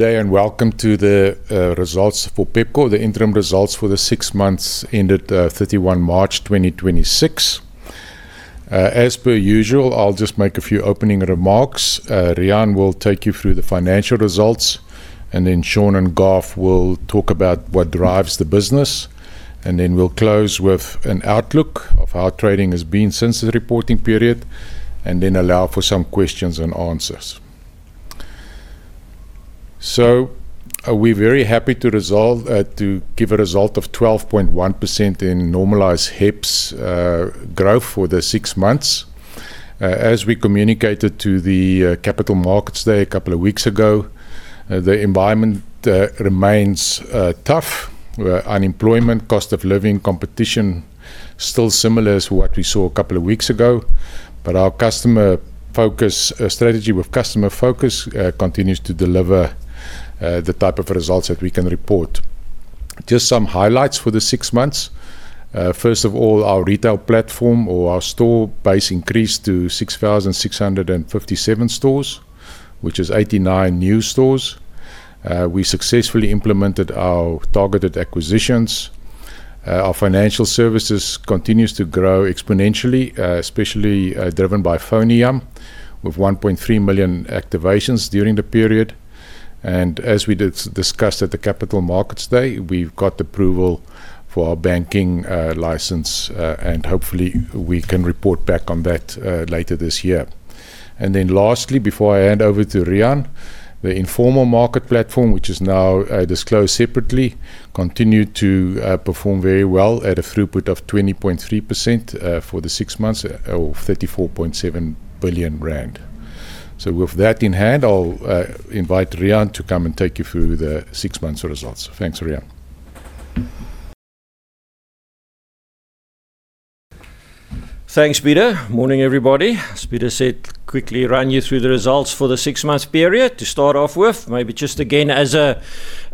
Good day. Welcome to the results for Pepkor, the interim results for the six months ended 31 March 2026. As per usual, I'll just make a few opening remarks. Riaan will take you through the financial results. Then Sean and Garth will talk about what drives the business. Then we'll close with an outlook of how trading has been since the reporting period. Then allow for some questions and answers. We're very happy to give a result of 12.1% in normalized HEPS growth for the six months. As we communicated to the Capital Markets Day a couple of weeks ago, the environment remains tough. Unemployment, cost of living, competition, still similar to what we saw a couple of weeks ago. Our strategy with customer focus continues to deliver the type of results that we can report. Just some highlights for the six months. First of all, our retail platform or our store base increased to 6,657 stores, which is 89 new stores. We successfully implemented our targeted acquisitions. Our financial services continues to grow exponentially, especially driven by FoneYam, with 1.3 million activations during the period. As we discussed at the Capital Markets Day, we've got approval for our banking license, and hopefully, we can report back on that later this year. Lastly, before I hand over to Riaan, the informal market platform, which is now disclosed separately, continued to perform very well at a throughput of 20.3% for the six months or 34.7 billion rand. With that in hand, I'll invite Riaan to come and take you through the six months results. Thanks, Riaan. Thanks, Pieter. Morning, everybody. As Pieter said, quickly run you through the results for the six months period. To start off with, maybe just again, as a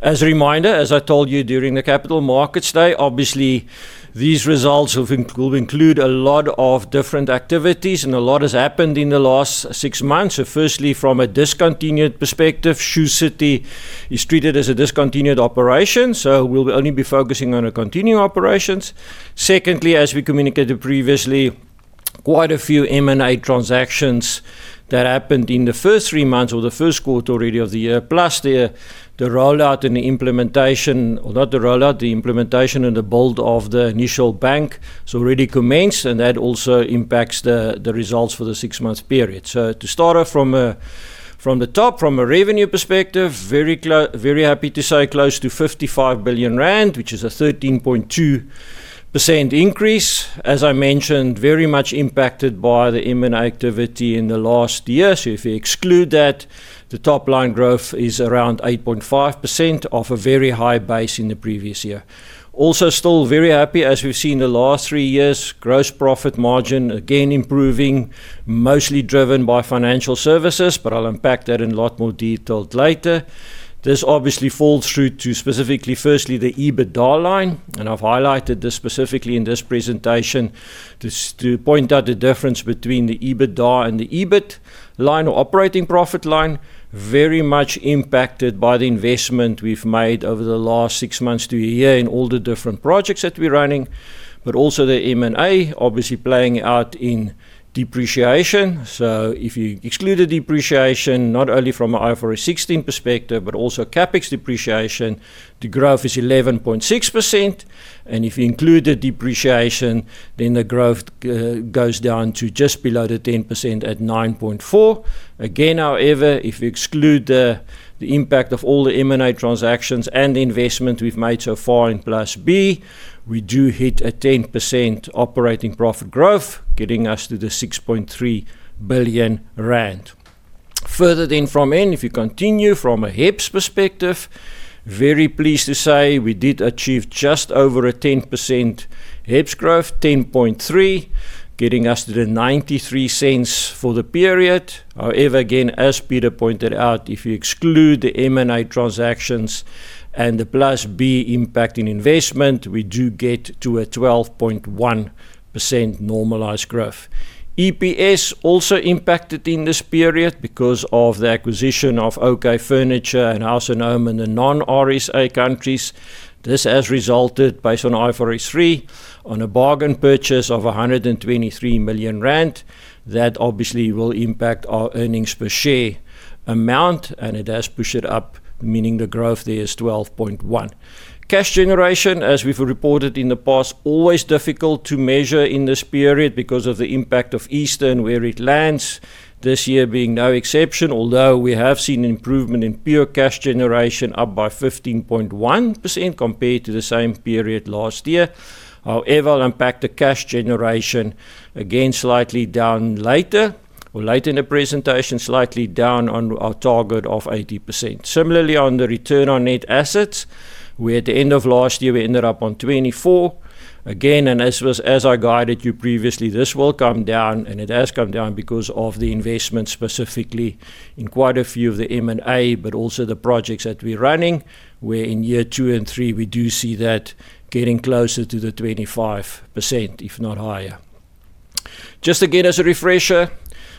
reminder, as I told you during the Capital Markets Day, obviously, these results will include a lot of different activities, and a lot has happened in the last six months. Firstly, from a discontinued perspective, Shoe City is treated as a discontinued operation, so we'll only be focusing on the continuing operations. Secondly, as we communicated previously, quite a few M&A transactions that happened in the first three months or the first quarter already of the year, plus the implementation and the build of the initial bank has already commenced, and that also impacts the results for the six months. To start off from the top, from a revenue perspective, very happy to say close to 55 billion rand, which is a 13.2% increase. As I mentioned, very much impacted by the M&A activity in the last year. If you exclude that, the top-line growth is around 8.5% off a very high base in the previous year. Also, still very happy as we've seen the last three years, gross profit margin, again improving, mostly driven by financial services, but I'll unpack that in a lot more detail later. This obviously falls through to specifically, firstly, the EBITDA line, and I've highlighted this specifically in this presentation to point out the difference between the EBITDA and the EBIT line or operating profit line, very much impacted by the investment we've made over the last six months to a year and all the different projects that we're running. Also the M&A obviously playing out in depreciation. If you exclude the depreciation, not only from an IFRS 16 perspective, but also CapEx depreciation, the growth is 11.6%. If you include the depreciation, the growth goes down to just below the 10% at 9.4%. Again, however, if you exclude the impact of all the M&A transactions and the investment we've made so far in PlusB, we do hit a 10% operating profit growth, getting us to the 6.3 billion rand. If you continue from a HEPS perspective, very pleased to say we did achieve just over a 10% HEPS growth, 10.3%, getting us to the 0.93 for the period. However, again, as Pieter pointed out, if you exclude the M&A transactions and the PlusB impact in investment, we do get to a 12.1% normalized growth. EPS also impacted in this period because of the acquisition of OK Furniture and House & Home in the non-RSA countries. This has resulted based on IFRS 3, on a bargain purchase of 123 million rand. That obviously will impact our earnings per share amount, and it has pushed it up, meaning the growth there is 12.1%. Cash generation, as we've reported in the past, always difficult to measure in this period because of the impact of Easter where it lands. This year being no exception, although we have seen improvement in pure cash generation up by 15.1% compared to the same period last year. However, I'll unpack the cash generation again slightly down later in the presentation, slightly down on our target of 80%. Similarly, on the return on net assets, at the end of last year, we ended up on 24%. As I guided you previously, this will come down, and it has come down because of the investment specifically in quite a few of the M&A, but also the projects that we're running, where in year two and three, we do see that getting closer to the 25%, if not higher. As a refresher,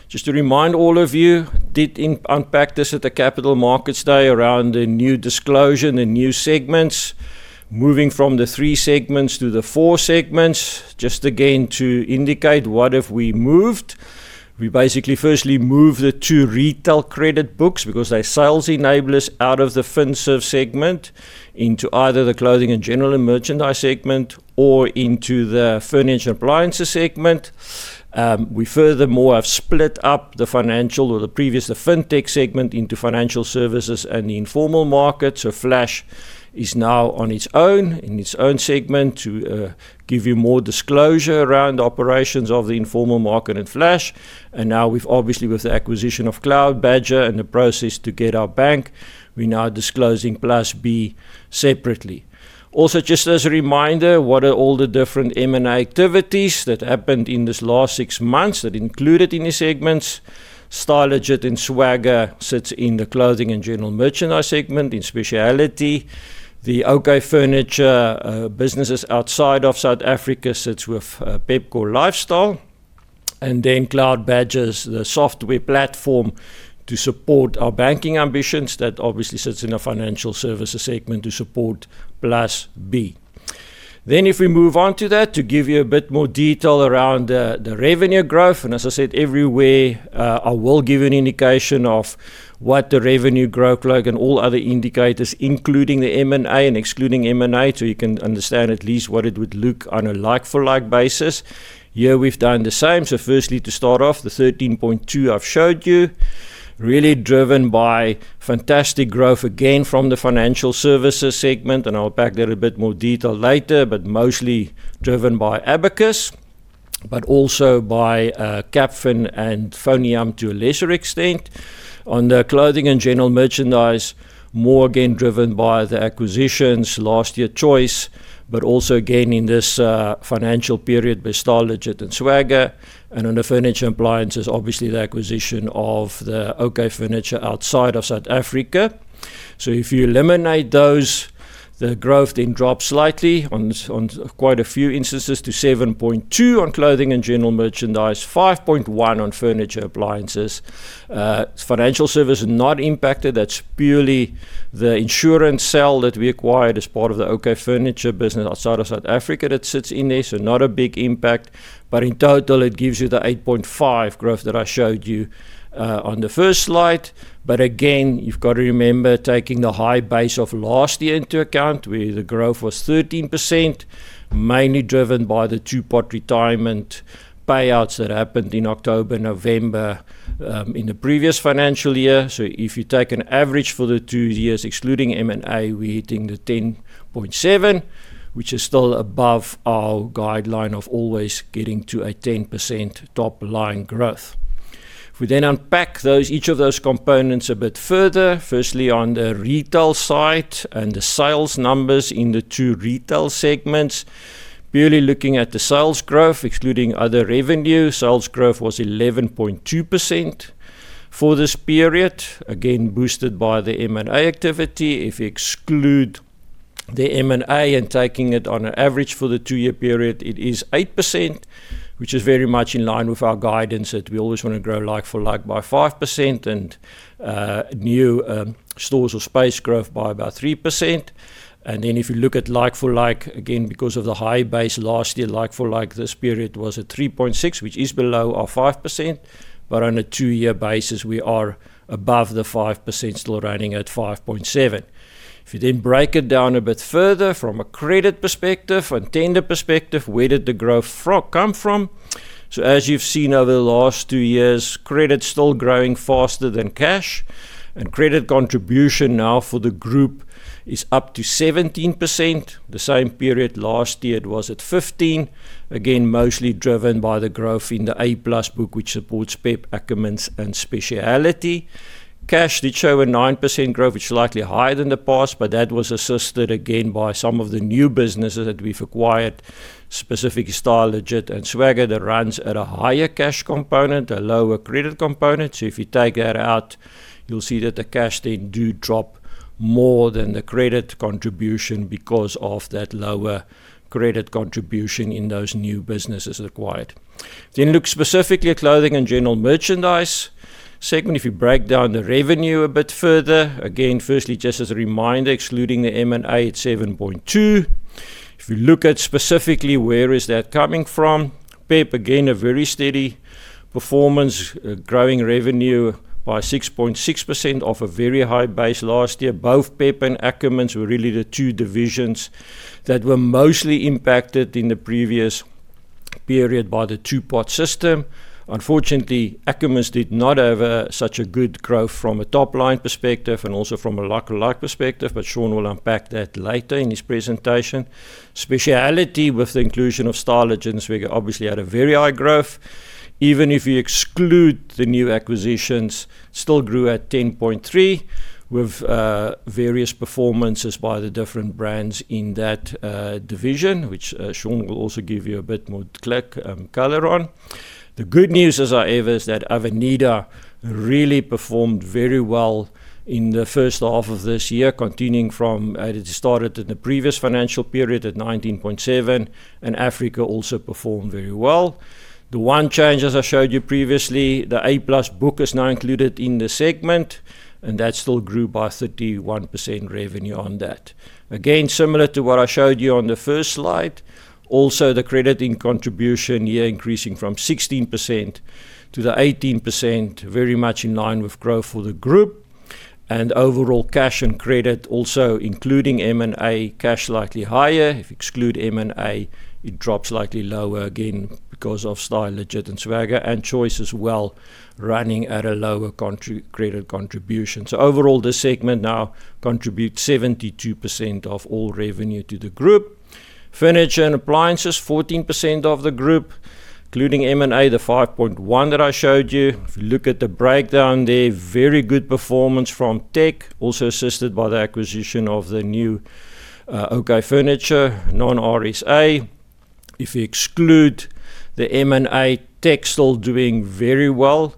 to remind all of you, did unpack this at the Capital Markets Day around the new disclosure, the new segments, moving from the three segments to the four segments. To indicate what have we moved. We basically firstly moved the two retail credit books because they're sales enablers out of the FinServ segment into either the Clothing and General Merchandise segment or into the Furniture Appliance segment. We furthermore have split up the financial or the previous Fintech segment into Financial Services and the Informal Market. Flash is now on its own, in its own segment, to give you more disclosure around operations of the informal market and Flash. Now obviously with the acquisition of CloudBadger and the process to get our bank, we are now disclosing PlusB separately. Just as a reminder, what are all the different M&A activities that happened in this last six months that are included in these segments. Style, Legit, and Swagga sits in the clothing and general merchandise segment in Pepkor Speciality. The OK Furniture businesses outside of South Africa sits with Pepkor Lifestyle, and then CloudBadger is the software platform to support our banking ambitions that obviously sits in our financial services segment to support PlusB. If we move on to that, to give you a bit more detail around the revenue growth, and as I said, everywhere I will give an indication of what the revenue growth looked and all other indicators, including the M&A and excluding M&A, so you can understand at least what it would look on a like-for-like basis. Here we've done the same. Firstly, to start off, the 13.2% I've showed you, really driven by fantastic growth again from the financial services segment, and I'll unpack that in a bit more detail later, but mostly driven by Abacus, but also by Capfin and FoneYam to a lesser extent. On the clothing and general merchandise, more again driven by the acquisitions last year Choice, but also again in this financial period by Style, Legit, and Swagga. On the furniture appliances, obviously the acquisition of the OK Furniture outside of South Africa, if you eliminate those, the growth then drops slightly on quite a few instances to 7.2% on clothing and general merchandise, 5.1% on furniture appliances. Financial services are not impacted. That's purely the insurance sale that we acquired as part of the OK Furniture business outside of South Africa that sits in there, so not a big impact, but in total it gives you the 8.5% growth that I showed you on the first slide. Again, you've got to remember taking the high base of last year into account, where the growth was 13%, mainly driven by the two-pot retirement payouts that happened in October, November, in the previous financial year. If you take an average for the two years excluding M&A, we hitting the 10.7%, which is still above our guideline of always getting to a 10% top-line growth. If we unpack each of those components a bit further, firstly on the retail side and the sales numbers in the two retail segments. Purely looking at the sales growth, excluding other revenue, sales growth was 11.2% for this period, again boosted by the M&A activity. If you exclude the M&A and taking it on an average for the two-year period, it is 8%, which is very much in line with our guidance that we always want to grow like for like by 5% and new stores or space growth by about 3%. If you look at like for like, again, because of the high base last year, like for like this period was at 3.6%, which is below our 5%, but on a two-year basis, we are above the 5%, still running at 5.7%. Break it down a bit further from a credit perspective, from a tender perspective, where did the growth come from? As you've seen over the last two years, credit's still growing faster than cash. Credit contribution now for the group is up to 17%. The same period last year it was at 15%, again, mostly driven by the growth in the A+ book, which supports PEP, Ackermans and Speciality. Cash did show a 9% growth, which is slightly higher than the past, but that was assisted again by some of the new businesses that we've acquired, specifically Style, Legit, and Swagga, that runs at a higher cash component, a lower credit component. If you take that out, you'll see that the cash then do drop more than the credit contribution because of that lower credit contribution in those new businesses acquired. Look specifically at clothing and general merchandise. Secondly, if you break down the revenue a bit further, again, firstly, just as a reminder, excluding the M&A at 7.2%. If you look at specifically where is that coming from, PEP, again, a very steady performance, growing revenue by 6.6% off a very high base last year. Both PEP and Ackermans were really the two divisions that were mostly impacted in the previous period by the two-pot system. Unfortunately, Ackermans did not have such a good growth from a top-line perspective and also from a like-for-like perspective. Sean will unpack that later in his presentation. Speciality with the inclusion of Style, Legit, and Swagga obviously had a very high growth. Even if you exclude the new acquisitions, still grew at 10.3%. With various performances by the different brands in that division, which Sean will also give you a bit more color on. The good news, as I said, is that Avenida really performed very well in the first half of this year, continuing from how it started in the previous financial period at 19.7%. Africa also performed very well. The one change, as I showed you previously, the A+ book is now included in the segment. That still grew by 31% revenue on that. Again, similar to what I showed you on the first slide, also the credit contribution here increasing from 16% to 18%, very much in line with growth for the group. Overall cash and credit also including M&A, cash likely higher. If you exclude M&A, it drops slightly lower, again, because of Style, Legit, and Swagga, and Choice as well, running at a lower credit contribution. Overall, this segment now contributes 72% of all revenue to the group. Furniture and appliances, 14% of the group, including M&A, the 5.1% that I showed you. If you look at the breakdown there, very good performance from Tech, also assisted by the acquisition of the new OK Furniture, non-R.S.A. If you exclude the M&A, Tech still doing very well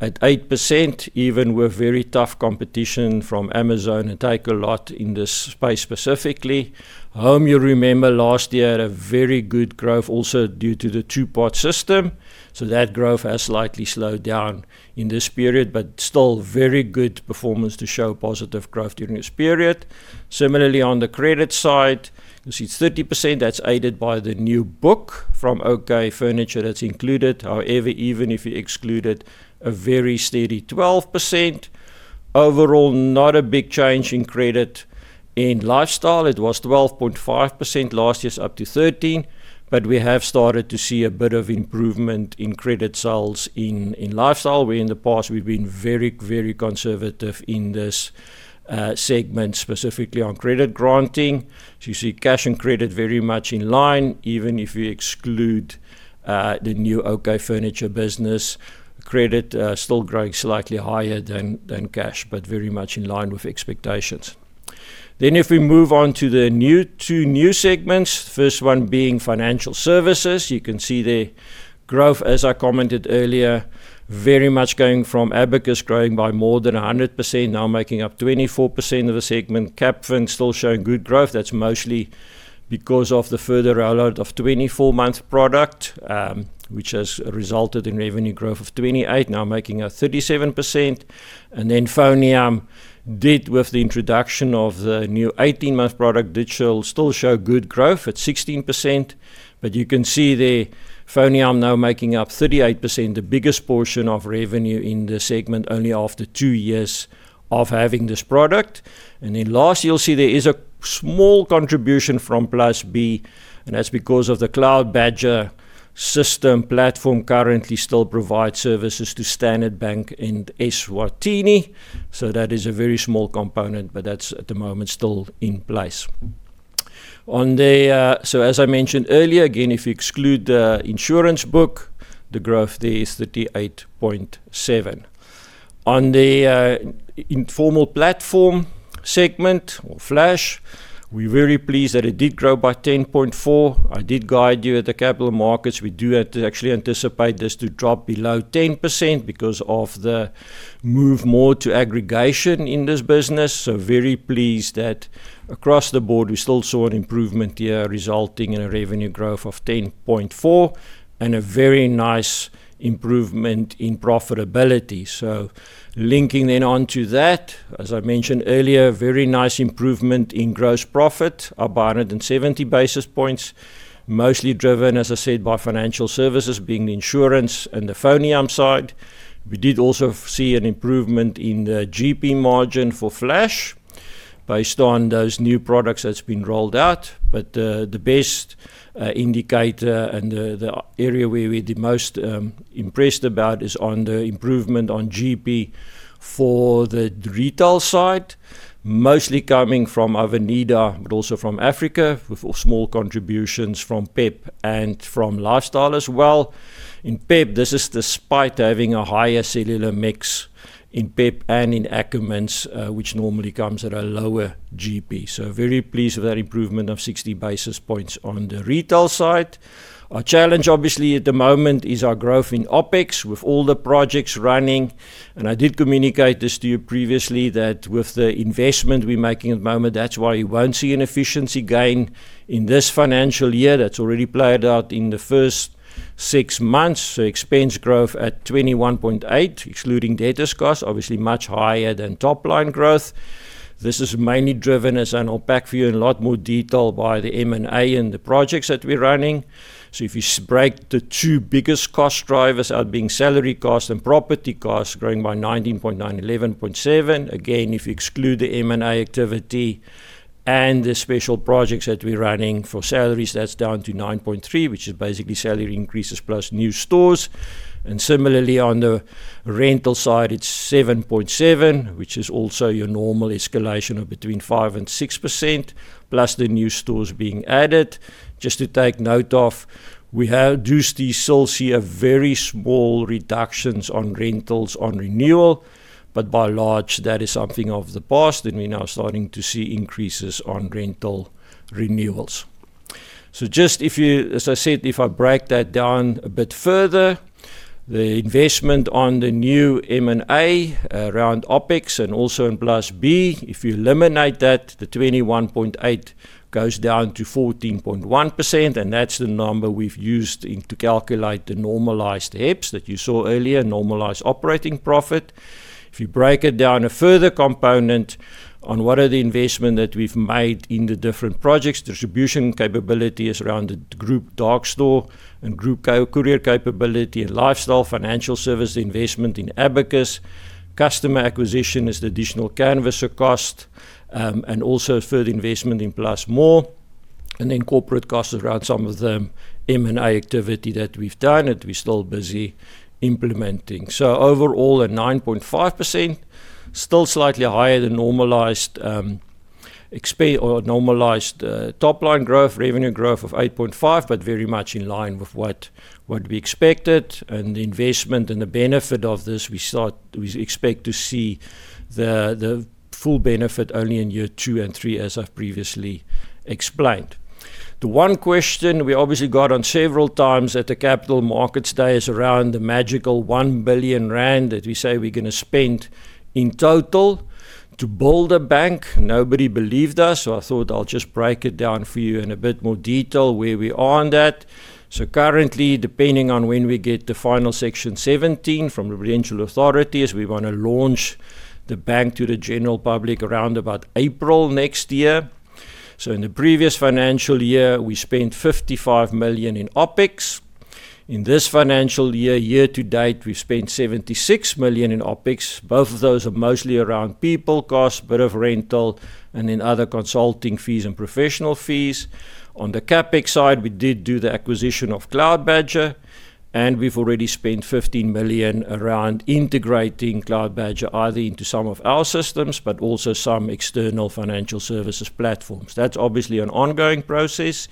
at 8%, even with very tough competition from Amazon and Takealot in this space specifically. HOME, you'll remember last year, had a very good growth also due to the two-pot retirement system. That growth has slightly slowed down in this period, but still very good performance to show positive growth during this period. Similarly, on the credit side, you'll see 30% that's aided by the new book from OK Furniture that's included. However, even if you exclude it, a very steady 12%. Overall, not a big change in credit in Lifestyle. It was 12.5% last year, it's up to 13%. We have started to see a bit of improvement in credit sales in Lifestyle, where in the past we've been very conservative in this segment, specifically on credit granting. You see cash and credit very much in line, even if you exclude the new OK Furniture business. Credit still growing slightly higher than cash, but very much in line with expectations. If we move on to the two new segments, first one being financial services. You can see there, growth, as I commented earlier, very much going from Abacus growing by more than 100%, now making up 24% of the segment. Capfin still showing good growth. That's mostly because of the further rollout of 24-month product, which has resulted in revenue growth of 28, now making up 37%. FoneYam did with the introduction of the new 18-month product, did still show good growth at 16%. You can see there, FoneYam now making up 38%, the biggest portion of revenue in the segment only after two years of having this product. Last, you'll see there is a small contribution from PlusB, and that's because of the CloudBadger system platform currently still provides services to Standard Bank Eswatini. That is a very small component, but that's at the moment still in place. As I mentioned earlier, again, if you exclude the insurance book, the growth there is 38.7%. On the informal platform segment or Flash, we're very pleased that it did grow by 10.4%. I did guide you at the capital markets. We do actually anticipate this to drop below 10% because of the move more to aggregation in this business. Very pleased that across the board, we still saw an improvement here resulting in a revenue growth of 10.4% and a very nice improvement in profitability. Linking then onto that, as I mentioned earlier, very nice improvement in gross profit, up 170 basis points, mostly driven, as I said, by financial services being insurance and the FoneYam side. We did also see an improvement in the GP margin for Flash based on those new products that's been rolled out. The best indicator and the area where we're the most impressed about is on the improvement on GP for the retail side, mostly coming from Avenida, but also from Africa, with small contributions from PEP and from Lifestyle as well. In PEP, this is despite having a higher cellular mix in PEP and in Ackermans, which normally comes at a lower GP. Very pleased with that improvement of 60 basis points on the retail side. Our challenge, obviously, at the moment is our growth in OpEx with all the projects running. I did communicate this to you previously that with the investment we're making at the moment, that's why you won't see an efficiency gain in this financial year. That's already played out in the first six months. Expense growth at 21.8%, excluding data costs, obviously much higher than top-line growth. This is mainly driven, as I'll unpack for you in a lot more detail, by the M&A and the projects that we're running. If you break the two biggest cost drivers out being salary costs and property costs growing by 19.9% and 11.7%. Again, if you exclude the M&A activity and the special projects that we're running for salaries, that's down to 9.3%, which is basically salary increases plus new stores. Similarly, on the rental side, it's 7.7%, which is also your normal escalation of between 5% and 6%, plus the new stores being added. Just to take note of, we have reduced these, still see a very small reductions on rentals on renewal, but by large, that is something of the past, and we're now starting to see increases on rental renewals. Just as I said, if I break that down a bit further, the investment on the new M&A around OpEx and also in PlusB, if you eliminate that, the 21.8% goes down to 14.1%, and that's the number we've used to calculate the normalized HEPS that you saw earlier, normalized operating profit. If you break it down, a further component on one of the investment that we've made in the different projects, distribution capability is around the group dark store and group courier capability and lifestyle financial service investment in Abacus. Customer acquisition is the additional canvasser cost, and also a further investment in +more, and then corporate costs around some of the M&A activity that we've done, that we're still busy implementing. Overall, a 9.5%, still slightly higher than normalized top line growth, revenue growth of 8.5%, but very much in line with what we expected. The investment and the benefit of this, we expect to see the full benefit only in year two and three, as I've previously explained. The one question we obviously got on several times at the Capital Markets Day is around the magical 1 billion rand that we say we're going to spend in total to build a bank. Nobody believed us, I thought I'll just break it down for you in a bit more detail where we are on that. Currently, depending on when we get the final Section 17 from the Prudential Authority, we want to launch the bank to the general public around about April next year. In the previous financial year, we spent 55 million in OpEx. In this financial year to date, we've spent 76 million in OpEx. Both of those are mostly around people cost, a bit of rental, and then other consulting fees and professional fees. On the CapEx side, we did do the acquisition of CloudBadger, and we've already spent 15 million around integrating CloudBadger, either into some of our systems, but also some external financial services platforms. That's obviously an ongoing process.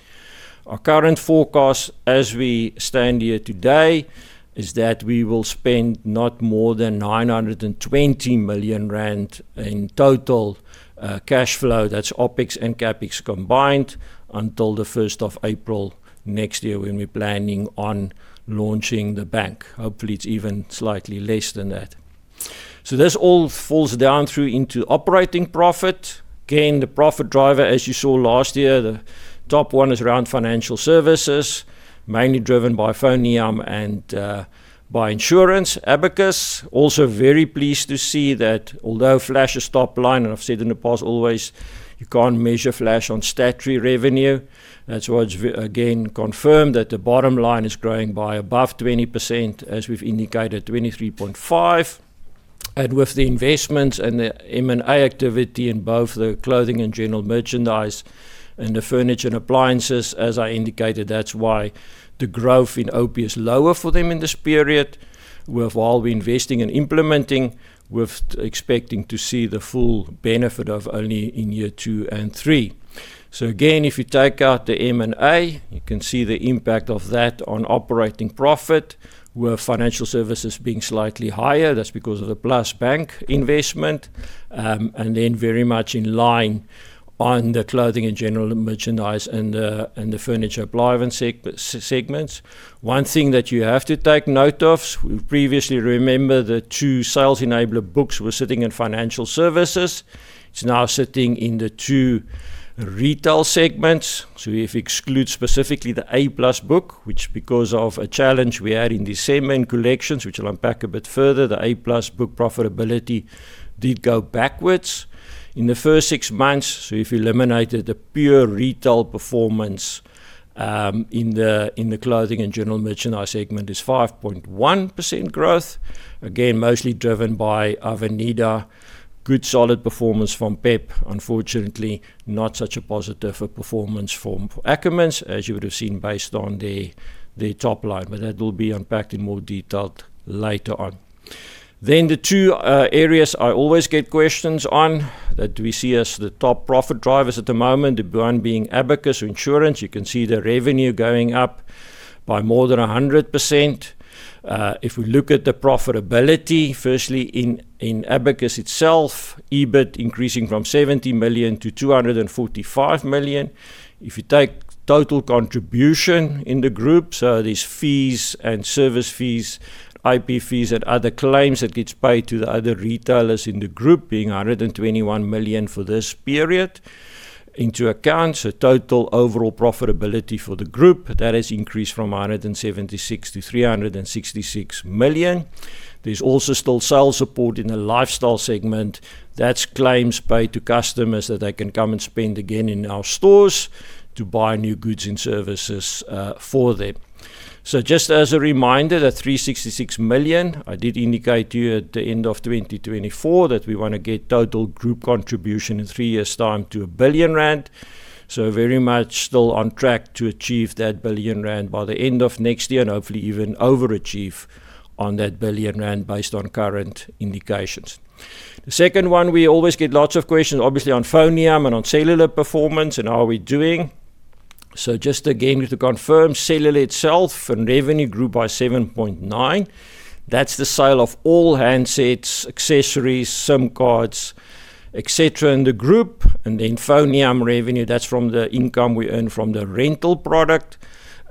Our current forecast, as we stand here today, is that we will spend not more than 920 million rand in total cash flow. That's OpEx and CapEx combined, until the 1st of April next year when we're planning on launching the bank. Hopefully, it's even slightly less than that. This all falls down through into operating profit. Again, the profit driver, as you saw last year, the top one is around financial services, mainly driven by FoneYam and by insurance, Abacus. Also very pleased to see that although Flash is top line, I've said in the past always, you can't measure Flash on statutory revenue. That's why it's again confirmed that the bottom line is growing by above 20%, as we've indicated, 23.5%. With the investments and the M&A activity in both the clothing and general merchandise and the furniture and appliances, as I indicated, that's why the growth in OP is lower for them in this period. We have while been investing and implementing, we're expecting to see the full benefit of only in year two and three. Again, if you take out the M&A, you can see the impact of that on operating profit, with financial services being slightly higher. That's because of the PlusB investment, very much in line on the clothing and general merchandise and the furniture appliance segments. One thing that you have to take note of, we previously remember the two sales enabler books were sitting in financial services. It's now sitting in the two retail segments. If you exclude specifically the A+ book, which because of a challenge we had in December in collections, which I'll unpack a bit further, the A+ book profitability did go backwards. In the first six months, if you eliminated the pure retail performance in the clothing and general merchandise segment is 5.1% growth. Again, mostly driven by Avenida. Good solid performance from PEP. Unfortunately, not such a positive performance from Ackermans, as you would've seen based on their top line, that will be unpacked in more detail later on. The two areas I always get questions on that we see as the top profit drivers at the moment, the one being Abacus Insurance. You can see the revenue going up by more than 100%. If we look at the profitability, firstly in Abacus itself, EBIT increasing from 70 million to 245 million. If you take total contribution in the group, that is fees and service fees, IP fees, and other claims that gets paid to the other retailers in the group, being 121 million for this period into account, total overall profitability for the group, that has increased from 176 million-366 million. There's also still sales support in the lifestyle segment. That's claims paid to customers that they can come and spend again in our stores to buy new goods and services for them. Just as a reminder, that 366 million, I did indicate to you at the end of 2024 that we want to get total group contribution in three years' time to 1 billion rand. Very much still on track to achieve that 1 billion rand by the end of next year, and hopefully even overachieve on that 1 billion rand based on current indications. The second one, we always get lots of questions obviously on FoneYam and on cellular performance and how we're doing. Just again to confirm, cellular itself revenue grew by 7.9%. That's the sale of all handsets, accessories, SIM cards, et cetera, in the group. FoneYam revenue, that's from the income we earn from the rental product,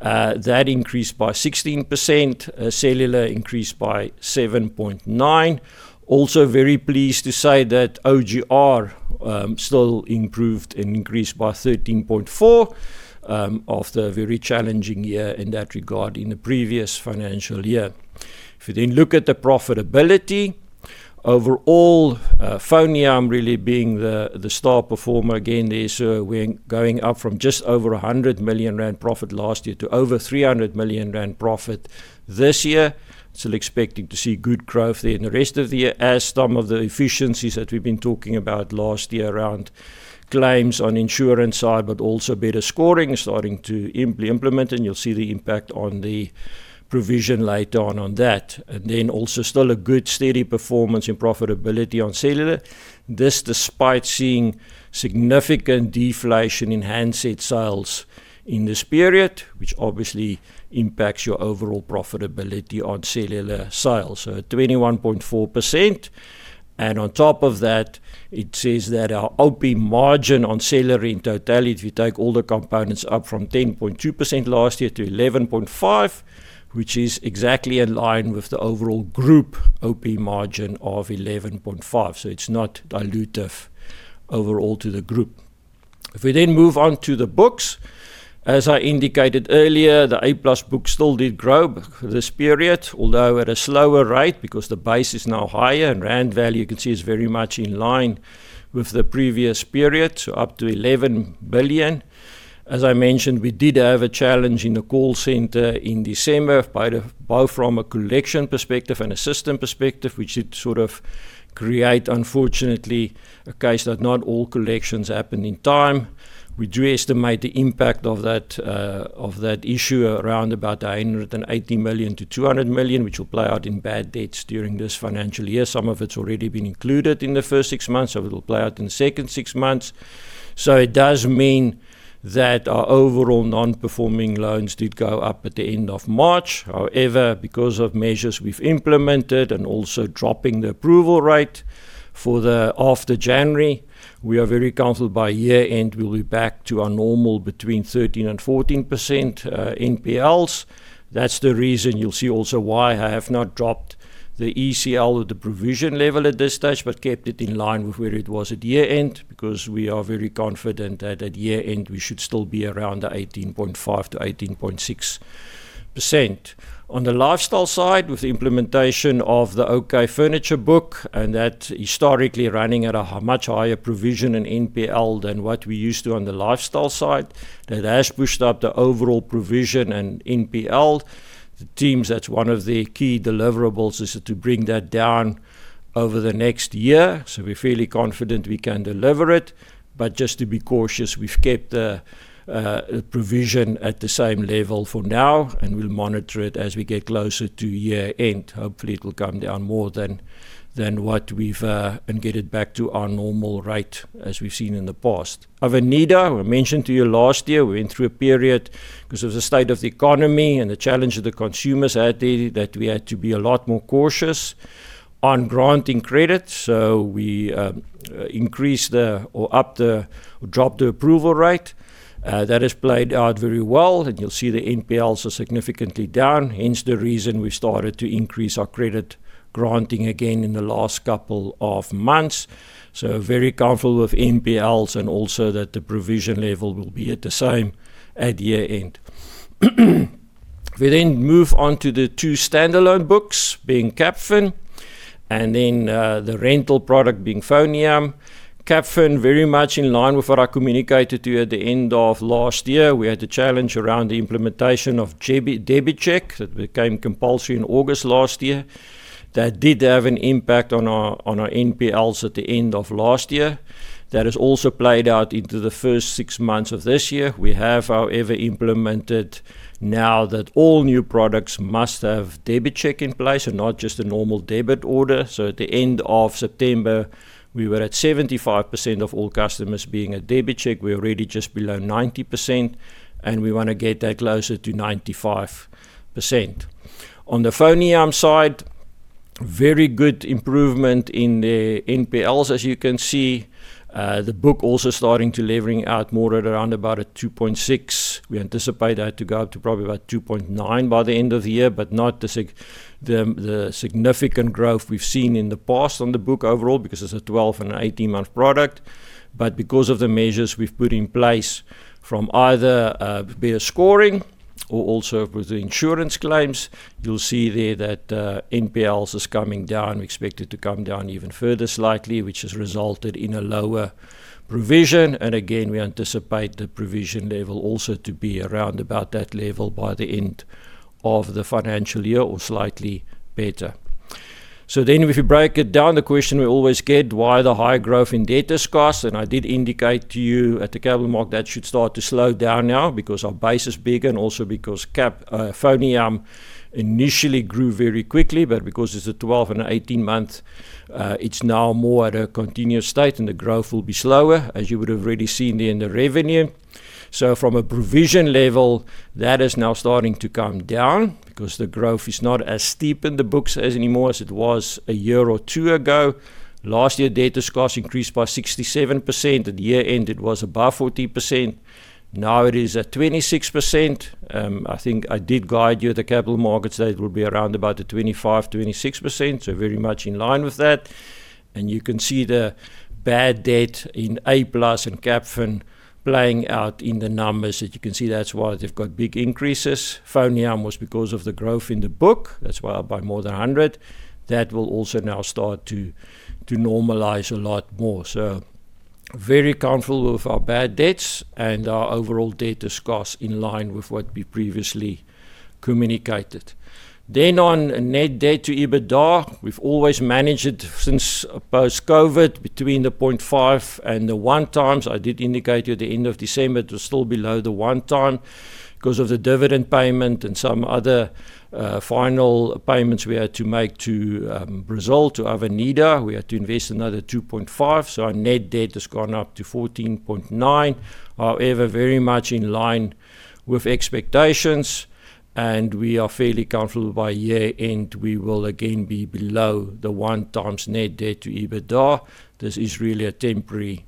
that increased by 16%. Cellular increased by 7.9%. Also very pleased to say that OGR still improved and increased by 13.4% after a very challenging year in that regard in the previous financial year. Look at the profitability, overall, FoneYam really being the star performer again there. We're going up from just over 100 million rand profit last year to over 300 million rand profit this year. Still expecting to see good growth there in the rest of the year as some of the efficiencies that we have been talking about last year around claims on insurance side, but also better scoring starting to implement, and you will see the impact on the provision later on on that. Also still a good steady performance in profitability on cellular. This despite seeing significant deflation in handset sales in this period, which obviously impacts your overall profitability on cellular sales. 21.4%. On top of that, it says that our OP margin on cellular in totality, if you take all the components up from 10.2% last year to 11.5%, which is exactly in line with the overall group OP margin of 11.5%. It is not dilutive overall to the group. If we move on to the books, as I indicated earlier, the A+ book still did grow this period, although at a slower rate because the base is now higher and Rand value you can see is very much in line with the previous period, up to 11 billion. As I mentioned, we did have a challenge in the call center in December, both from a collection perspective and a system perspective, which did sort of create, unfortunately, a case that not all collections happened in time. We do estimate the impact of that issue around about 180 million-200 million, which will play out in bad debts during this financial year. Some of it's already been included in the first six months, it'll play out in the second six months. It does mean that our overall non-performing loans did go up at the end of March. However, because of measures we've implemented and also dropping the approval rate after January, we are very confident by year-end we'll be back to our normal between 13% and 14% NPLs. That's the reason you'll see also why I have not dropped the ECL or the provision level at this stage, but kept it in line with where it was at year-end, because we are very confident that at year-end we should still be around the 18.5%-18.6%. On the lifestyle side, with the implementation of the OK Furniture book, and that historically running at a much higher provision in NPL than what we're used to on the lifestyle side, that has pushed up the overall provision and NPL. The teams, that's one of their key deliverables is to bring that down over the next year. We're fairly confident we can deliver it. Just to be cautious, we've kept the provision at the same level for now, and we'll monitor it as we get closer to year-end. Hopefully, it will come down more than what we've and get it back to our normal rate as we've seen in the past. Avenida, I mentioned to you last year, we went through a period because of the state of the economy and the challenge the consumers had there that we had to be a lot more cautious on granting credit. We dropped the approval rate. That has played out very well, and you'll see the NPLs are significantly down, hence the reason we started to increase our credit granting again in the last couple of months. Very comfortable with NPLs and also that the provision level will be at the same at year-end. We move on to the two standalone books, being Capfin and then the rental product being FoneYam. Capfin, very much in line with what I communicated to you at the end of last year. We had a challenge around the implementation of DebiCheck that became compulsory in August last year. That did have an impact on our NPLs at the end of last year. That has also played out into the first six months of this year. We have, however, implemented now that all new products must have DebiCheck in place and not just a normal debit order. At the end of September, we were at 75% of all customers being a DebiCheck. We're already just below 90%, and we want to get that closer to 95%. On the FoneYam side, very good improvement in their NPLs. As you can see, the book also starting to leveling out more at around about a 2.6%. We anticipate that to go up to probably about 2.9% by the end of the year, but not the significant growth we've seen in the past on the book overall, because it's a 12 and 18-month product. Because of the measures we've put in place from either better scoring or also with insurance claims, you'll see there that NPLs is coming down, expected to come down even further slightly, which has resulted in a lower provision. Again, we anticipate the provision level also to be around about that level by the end of the financial year or slightly better. If you break it down, the question we always get, why the high growth in debtors costs? I did indicate to you at the Capital Market that should start to slow down now because our base is bigger, and also because Capfin initially grew very quickly, but because it's a 12 and 18 month, it's now more at a continuous state and the growth will be slower, as you would have already seen there in the revenue. From a provision level, that is now starting to come down because the growth is not as steep in the books as anymore as it was a year or two ago. Last year, debtors costs increased by 67%. At year-end, it was above 40%. Now it is at 26%. I think I did guide you at the Capital Markets that it will be around about the 25%-26%, very much in line with that. You can see the bad debt in A+ and Capfin playing out in the numbers. As you can see, that's why they've got big increases. FoneYam was because of the growth in the book. That's why by more than 100. That will also now start to normalize a lot more. Very comfortable with our bad debts and our overall debtor costs in line with what we previously communicated. On net debt to EBITDA, we've always managed it since post-COVID between the 0.5x and the 1x. I did indicate at the end of December it was still below the 1x time. Because of the dividend payment and some other final payments we had to make to Brazil, to Avenida, we had to invest another 2.5 billion, so our net debt has gone up to 14.9 billion. Very much in line with expectations, and we are fairly comfortable by year-end, we will again be below the 1x net debt to EBITDA. This is really a temporary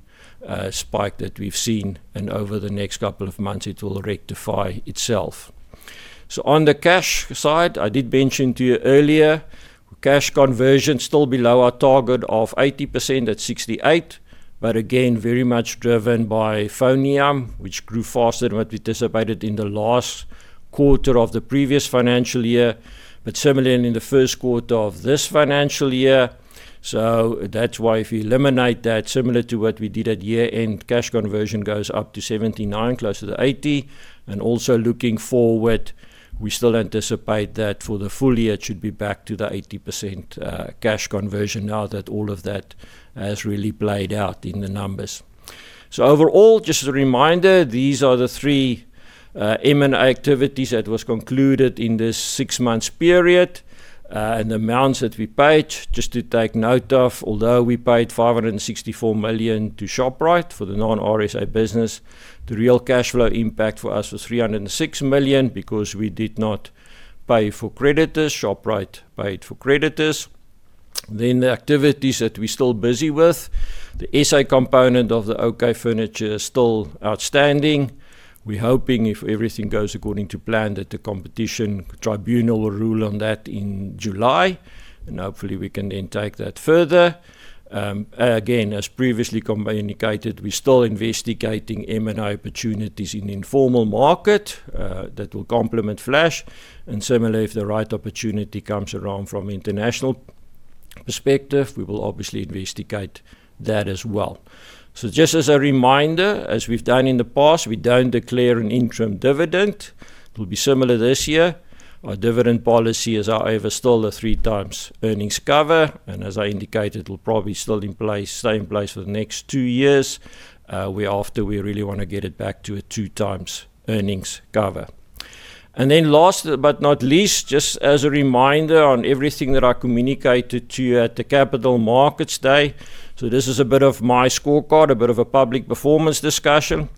spike that we've seen, and over the next couple of months it will rectify itself. On the cash side, I did mention to you earlier, cash conversion still below our target of 80% at 68%, but again, very much driven by FoneYam, which grew faster than what we anticipated in the last quarter of the previous financial year, but similarly in the first quarter of this financial year. That's why if you eliminate that, similar to what we did at year-end, cash conversion goes up to 79%, closer to 80%. Also looking forward, we still anticipate that for the full year, it should be back to the 80% cash conversion now that all of that has really played out in the numbers. Overall, just a reminder, these are the three M&A activities that was concluded in this six months period, and the amounts that we paid, just to take note of, although we paid 564 million to Shoprite for the non-RSA business, the real cash flow impact for us was 306 million because we did not pay for creditors. Shoprite paid for creditors. The activities that we're still busy with, the SA component of the OK Furniture is still outstanding. We're hoping if everything goes according to plan that the Competition Tribunal will rule on that in July, and hopefully we can then take that further. As previously communicated, we're still investigating M&A opportunities in the informal market, that will complement Flash. Similarly, if the right opportunity comes around from international perspective, we will obviously investigate that as well. Just as a reminder, as we've done in the past, we don't declare an interim dividend. It will be similar this year. Our dividend policy is however still a 3x earnings cover, and as I indicated, it will probably still in place, same place for the next two years. We really want to get it back to a two times earnings cover. Last but not least, just as a reminder on everything that I communicated to you at the Capital Markets Day. This is a bit of my scorecard, a bit of a public performance discussion.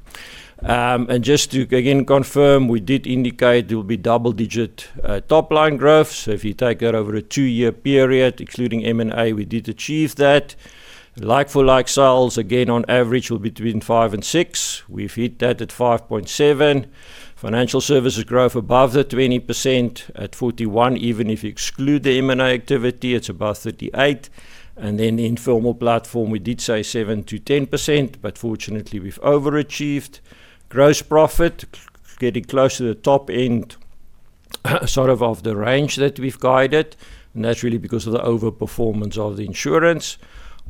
Just to again confirm, we did indicate there will be double-digit top-line growth. If you take that over a two-year period, including M&A, we did achieve that. Like-for-like sales, again, on average, were between 5% and 6%. We've hit that at 5.7%. Financial services growth above 20% at 41%. Even if you exclude the M&A activity, it's above 38%. Then informal platform, we did say 7%-10%, but fortunately, we've overachieved. Gross profit, getting close to the top end, sort of the range that we've guided, and that's really because of the overperformance of the insurance.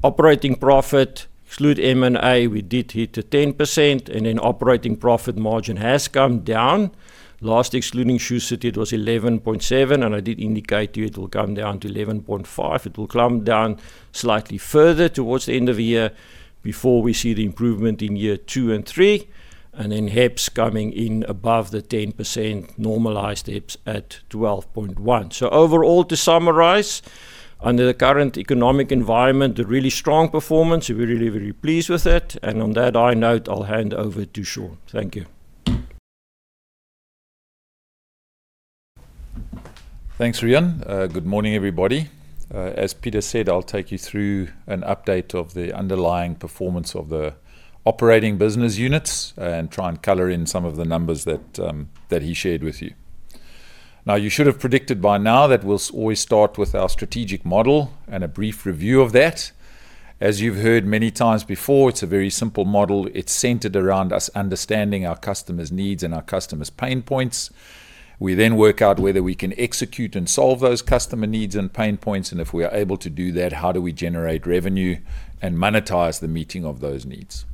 Operating profit, exclude M&A, we did hit the 10%. Operating profit margin has come down. Last excluding Shoe City, it was 11.7%, and I did indicate to you it will come down to 11.5%. It will come down slightly further towards the end of the year before we see the improvement in year two and three. Then HEPS coming in above the 10%, normalized HEPS at 12.1%. Overall, to summarize, under the current economic environment, a really strong performance. We're really, very pleased with it. On that high note, I'll hand over to Sean. Thank you. Thanks, Riaan. Good morning, everybody. As Pieter said, I will take you through an update of the underlying performance of the operating business units and try and color in some of the numbers that he shared with you. You should have predicted by now that we will always start with our strategic model and a brief review of that. As you have heard many times before, it is a very simple model. It is centered around us understanding our customers' needs and our customers' pain points. We then work out whether we can execute and solve those customer needs and pain points, and if we are able to do that, how do we generate revenue and monetize the meeting of those needs?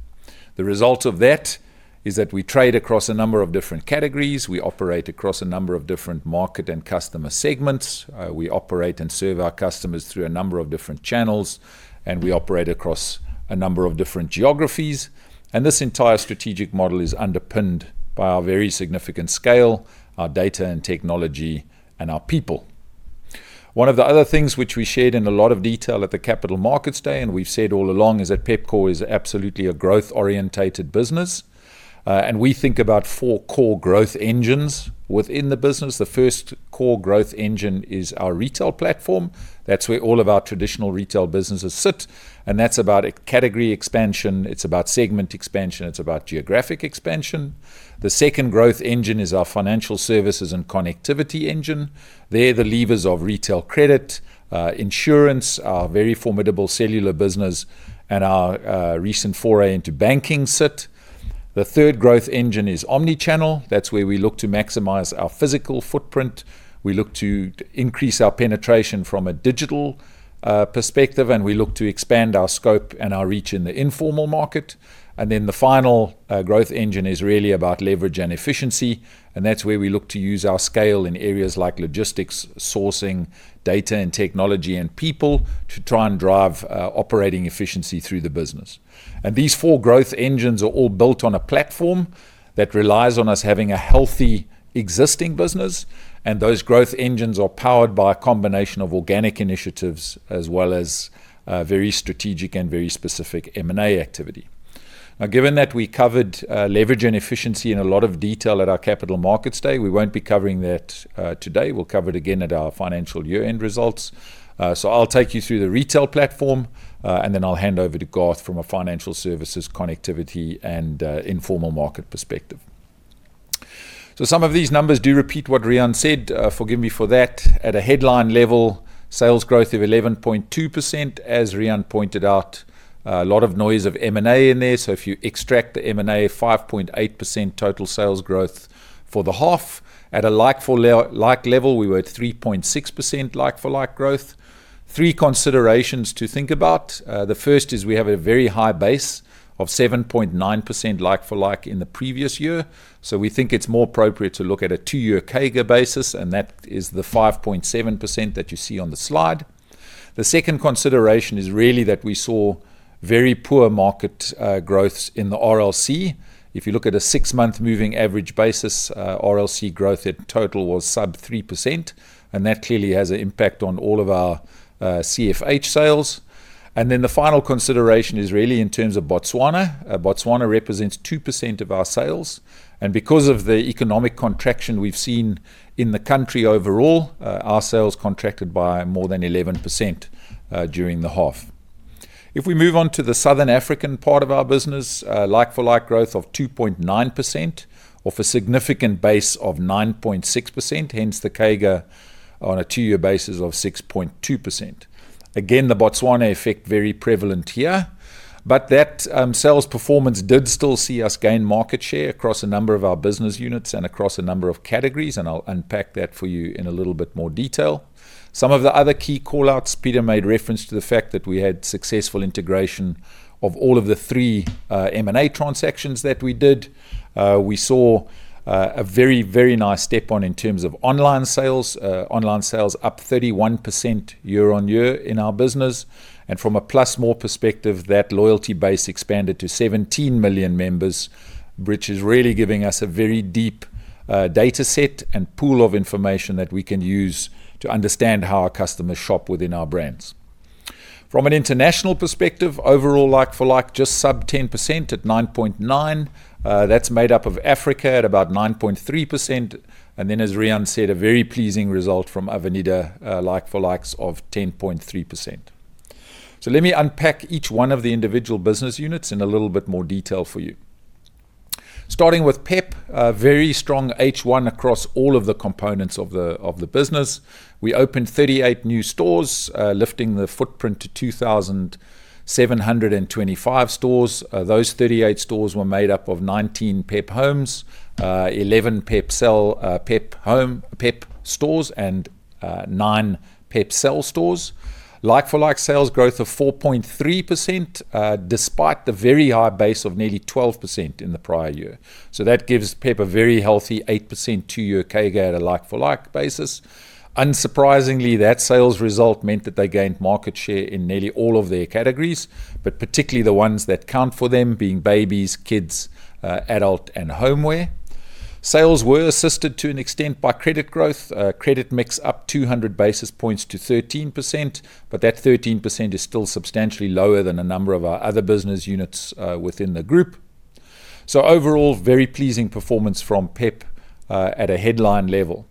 The result of that is that we trade across a number of different categories, we operate across a number of different market and customer segments, we operate and serve our customers through a number of different channels, and we operate across a number of different geographies. This entire strategic model is underpinned by our very significant scale, our data and technology, and our people. One of the other things which we shared in a lot of detail at the Capital Markets Day, and we've said all along, is that Pepkor is absolutely a growth-orientated business, and we think about four core growth engines within the business. The first core growth engine is our retail platform. That's where all of our traditional retail businesses sit, and that's about category expansion, it's about segment expansion, it's about geographic expansion. The second growth engine is our financial services and connectivity engine. There, the levers of retail credit, insurance, our very formidable cellular business, and our recent foray into banking sit. The third growth engine is omnichannel. That's where we look to maximize our physical footprint. We look to increase our penetration from a digital perspective, and we look to expand our scope and our reach in the informal market. The final growth engine is really about leverage and efficiency, and that's where we look to use our scale in areas like logistics, sourcing, data and technology, and people, to try and drive operating efficiency through the business. These four growth engines are all built on a platform that relies on us having a healthy existing business, and those growth engines are powered by a combination of organic initiatives as well as very strategic and very specific M&A activity. Now, given that we covered leverage and efficiency in a lot of detail at our Capital Markets Day, we won't be covering that today. We'll cover it again at our financial year-end results. I'll take you through the retail platform, and then I'll hand over to Garth from a financial services, connectivity, and informal market perspective. Some of these numbers do repeat what Riaan said. Forgive me for that. At a headline level, sales growth of 11.2%. As Riaan pointed out, a lot of noise of M&A in there. If you extract the M&A, 5.8% total sales growth for the half. At a like-for-like level, we were at 3.6% like-for-like growth. Three considerations to think about. The first is we have a very high base of 7.9% like-for-like in the previous year, so we think it's more appropriate to look at a two-year CAGR basis, and that is the 5.7% that you see on the slide. The second consideration is really that we saw very poor market growths in the RLC. If you look at a six-month moving average basis, RLC growth at total was sub 3%, and that clearly has an impact on all of our CFH sales. The final consideration is really in terms of Botswana. Botswana represents 2% of our sales, and because of the economic contraction we've seen in the country overall, our sales contracted by more than 11% during the half. If we move on to the Southern African part of our business, like-for-like growth of 2.9% off a significant base of 9.6%, hence the CAGR on a two-year basis of 6.2%. Again, the Botswana effect very prevalent here. That sales performance did still see us gain market share across a number of our business units and across a number of categories, and I'll unpack that for you in a little bit more detail. Some of the other key call-outs, Pieter made reference to the fact that we had successful integration of all of the three M&A transactions that we did. We saw a very nice step on in terms of online sales. Online sales up 31% year-on-year in our business. From a +more perspective, that loyalty base expanded to 17 million members, which is really giving us a very deep data set and pool of information that we can use to understand how our customers shop within our brands. From an international perspective, overall like for like, just sub 10% at 9.9%. That's made up of Africa at about 9.3%. Then, as Riaan said, a very pleasing result from Avenida like for likes of 10.3%. Let me unpack each one of the individual business units in a little bit more detail for you. Starting with PEP, a very strong H1 across all of the components of the business. We opened 38 new stores, lifting the footprint to 2,725 stores. Those 38 stores were made up of 19 PEP HOME, 11 PEP stores, and nine PEP Cell stores. Like-for-like sales growth of 4.3% despite the very high base of nearly 12% in the prior year. That gives PEP a very healthy 8% two-year CAGR like for like basis. Unsurprisingly, that sales result meant that they gained market share in nearly all of their categories, but particularly the ones that count for them being babies, kids, adult, and homeware. Sales were assisted to an extent by credit growth. Credit mixed up 200 basis points to 13%, but that 13% is still substantially lower than a number of our other business units within the group. Overall, very pleasing performance from PEP at a headline level.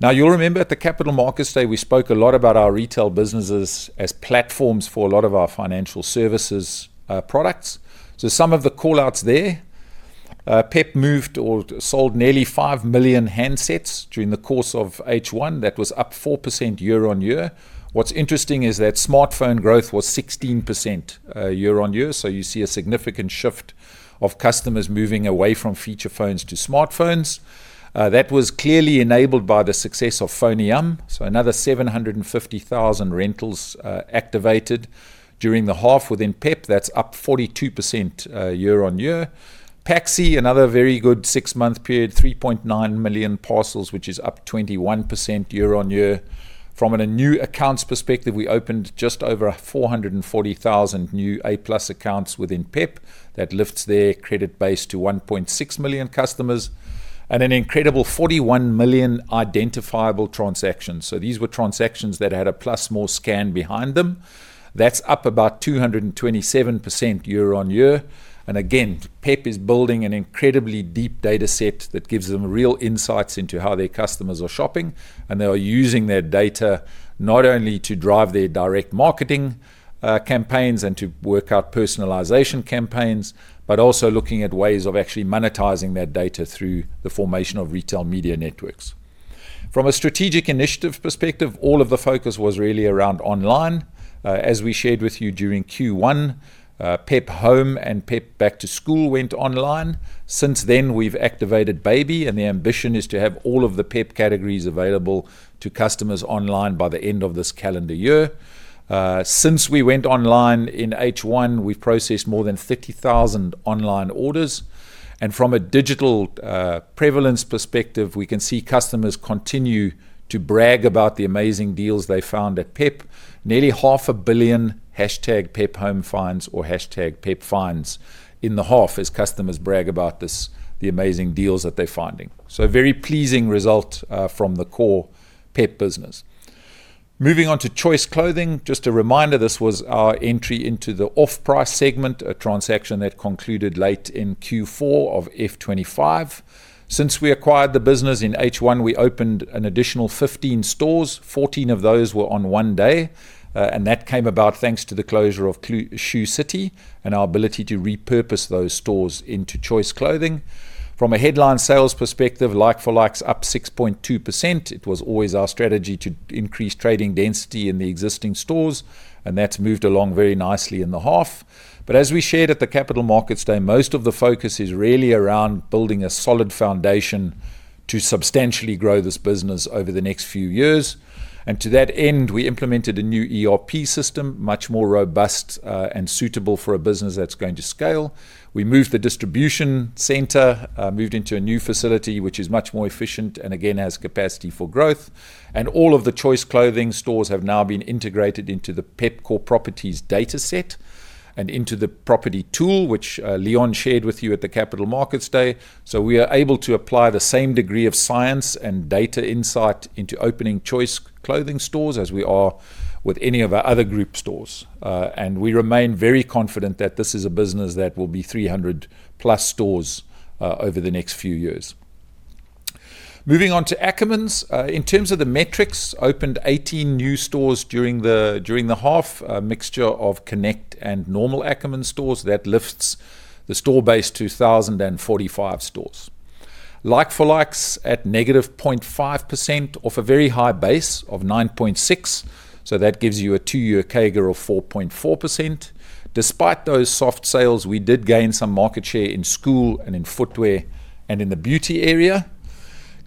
You'll remember at the Capital Markets Day, we spoke a lot about our retail businesses as platforms for a lot of our financial services products. Some of the call-outs there. PEP moved or sold nearly 5 million handsets during the course of H1. That was up 4% year-on-year. What's interesting is that smartphone growth was 16% year-on-year. You see a significant shift of customers moving away from feature phones to smartphones. That was clearly enabled by the success of FoneYam. Another 750,000 rentals activated during the half within PEP. That's up 42% year-on-year. Paxi, another very good six-month period, 3.9 million parcels, which is up 21% year-on-year. From a new accounts perspective, we opened just over 440,000 new A+ accounts within PEP. That lifts their credit base to 1.6 million customers and an incredible 41 million identifiable transactions. These were transactions that had a +more scan behind them. That's up about 227% year-on-year. Again, PEP is building an incredibly deep data set that gives them real insights into how their customers are shopping. They are using that data not only to drive their direct marketing campaigns and to work out personalization campaigns, but also looking at ways of actually monetizing that data through the formation of retail media networks. From a strategic initiatives perspective, all of the focus was really around online. As we shared with you during Q1, PEP HOME and PEP Back to School went online. Since then, we've activated Baby, and the ambition is to have all of the PEP categories available to customers online by the end of this calendar year. Since we went online in H1, we processed more than 50,000 online orders. From a digital prevalence perspective, we can see customers continue to brag about the amazing deals they found at PEP. Nearly half a billion #pephomefinds or #pepfinds in the half as customers brag about the amazing deals that they're finding. A very pleasing result from the core PEP business. Moving on to Choice Clothing. Just a reminder, this was our entry into the off-price segment, a transaction that concluded late in Q4 of FY 2025. Since we acquired the business in H1, we opened an additional 15 stores. 14 of those were on one day. That came about thanks to the closure of Shoe City and our ability to repurpose those stores into Choice Clothing. From a headline sales perspective, like for likes up 6.2%. It was always our strategy to increase trading density in the existing stores, that's moved along very nicely in the half. As we shared at the Capital Markets Day, most of the focus is really around building a solid foundation to substantially grow this business over the next few years. To that end, we implemented a new ERP system, much more robust and suitable for a business that's going to scale. We moved the distribution center, moved into a new facility, which is much more efficient and again, has capacity for growth. All of the Choice Clothing stores have now been integrated into the Pepkor Properties data set and into the property tool, which Leon shared with you at the Capital Markets Day. We are able to apply the same degree of science and data insight into opening Choice Clothing stores as we are with any of our other group stores. We remain very confident that this is a business that will be 300+ stores over the next few years. Moving on to Ackermans. In terms of the metrics, opened 18 new stores during the half, a mixture of Connect and normal Ackermans stores. That lifts the store base to 1,045 stores. Like for likes at -0.5% off a very high base of 9.6%. That gives you a two year CAGR of 4.4%. Despite those soft sales, we did gain some market share in school and in footwear and in the beauty area.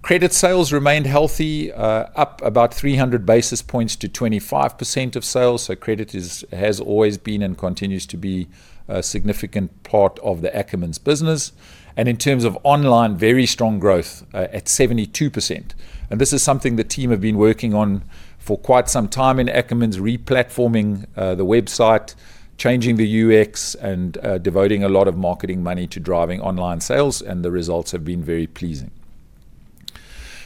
Credit sales remain healthy, up about 300 basis points to 25% of sales. Credit has always been and continues to be a significant part of the Ackermans business. In terms of online, very strong growth at 72%. This is something the team have been working on for quite some time in Ackermans, re-platforming the website, changing the UX, and devoting a lot of marketing money to driving online sales, and the results have been very pleasing.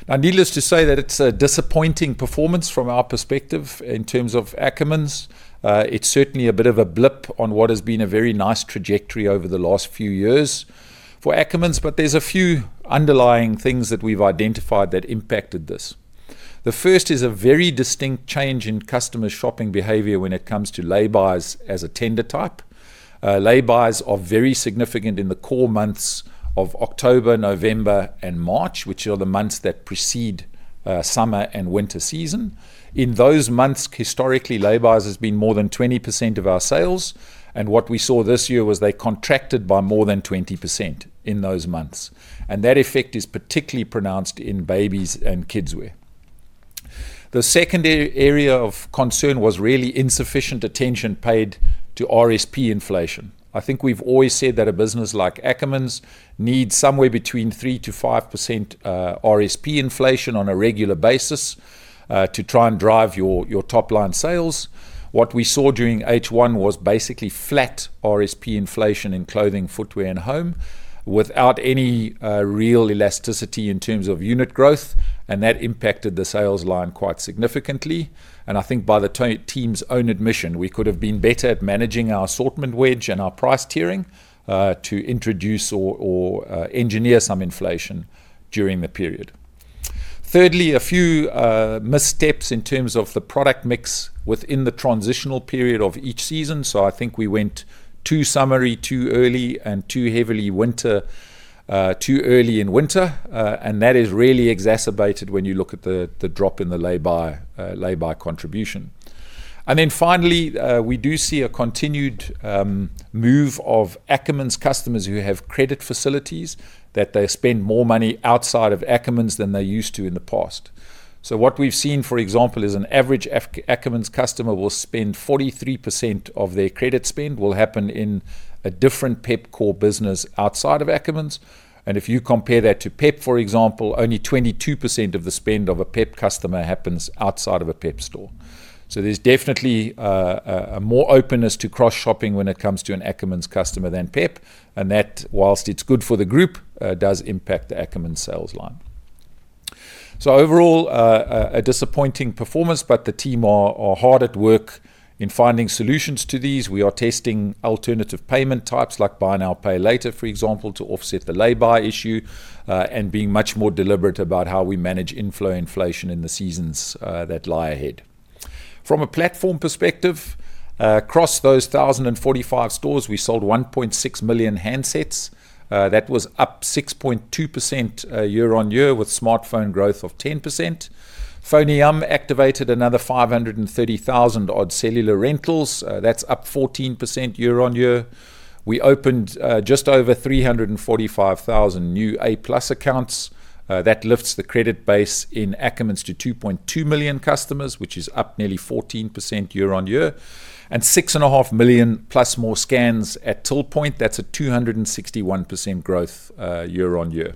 Now, needless to say that it's a disappointing performance from our perspective in terms of Ackermans. It's certainly a bit of a blip on what has been a very nice trajectory over the last few years for Ackermans, but there's a few underlying things that we've identified that impacted this. The first is a very distinct change in customer shopping behavior when it comes to lay-bys as a tender type. lay-bys are very significant in the core months of October, November, and March, which are the months that precede summer and winter season. In those months, historically, lay-bys has been more than 20% of our sales. What we saw this year was they contracted by more than 20% in those months. That effect is particularly pronounced in babies and kidswear. The second area of concern was really insufficient attention paid to RSP inflation. I think we've always said that a business like Ackermans needs somewhere between 3%-5% RSP inflation on a regular basis to try and drive your top line sales. What we saw during H1 was basically flat RSP inflation in clothing, footwear, and home without any real elasticity in terms of unit growth. That impacted the sales line quite significantly. I think by the team's own admission, we could have been better at managing our assortment width and our price tiering to introduce or engineer some inflation during the period. Thirdly, a few missteps in terms of the product mix within the transitional period of each season. I think we went too summery too early and too heavily winter too early in winter. That is really exacerbated when you look at the drop in the lay-by contribution. Finally, we do see a continued move of Ackermans customers who have credit facilities, that they spend more money outside of Ackermans than they used to in the past. What we've seen, for example, is an average Ackermans customer will spend 43% of their credit spend will happen in a different Pepkor business outside of Ackermans. If you compare that to PEP, for example, only 22% of the spend of a PEP customer happens outside of a PEP store. There's definitely more openness to cross shopping when it comes to an Ackermans customer than PEP, and that, whilst it's good for the group, does impact the Ackermans sales line. Overall, a disappointing performance, but the team are hard at work in finding solutions to these. We are testing alternative payment types like buy now, pay later, for example, to offset the lay-by issue, and being much more deliberate about how we manage inflow inflation in the seasons that lie ahead. From a platform perspective, across those 1,045 stores, we sold 1.6 million handsets. That was up 6.2% year-on-year with smartphone growth of 10%. FoneYam activated another 530,000 odd cellular rentals. That's up 14% year-on-year. We opened just over 345,000 new A+ accounts. That lifts the credit base in Ackermans to 2.2 million customers, which is up nearly 14% year-on-year. 6.5 million +more scans at till point, that's a 261% growth year-on-year.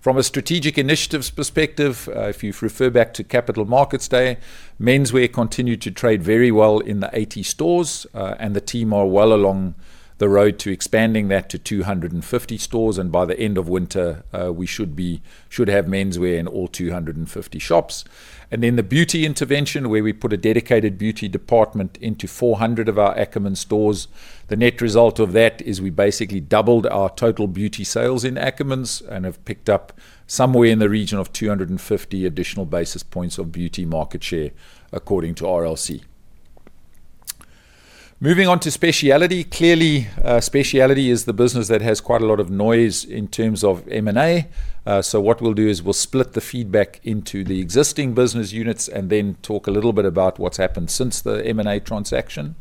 From a strategic initiatives perspective, if you refer back to Capital Markets Day, menswear continued to trade very well in the 80 stores, and the team are well along the road to expanding that to 250 stores. By the end of winter, we should have menswear in all 250 shops. In the beauty intervention, where we put a dedicated beauty department into 400 of our Ackermans stores, the net result of that is we basically doubled our total beauty sales in Ackermans and have picked up somewhere in the region of 250 additional basis points of beauty market share, according to RLC. Moving on to Pepkor Speciality. Clearly, Speciality is the business that has quite a lot of noise in terms of M&A. What we'll do is we'll split the feedback into the existing business units and then talk a little bit about what's happened since the M&A transaction.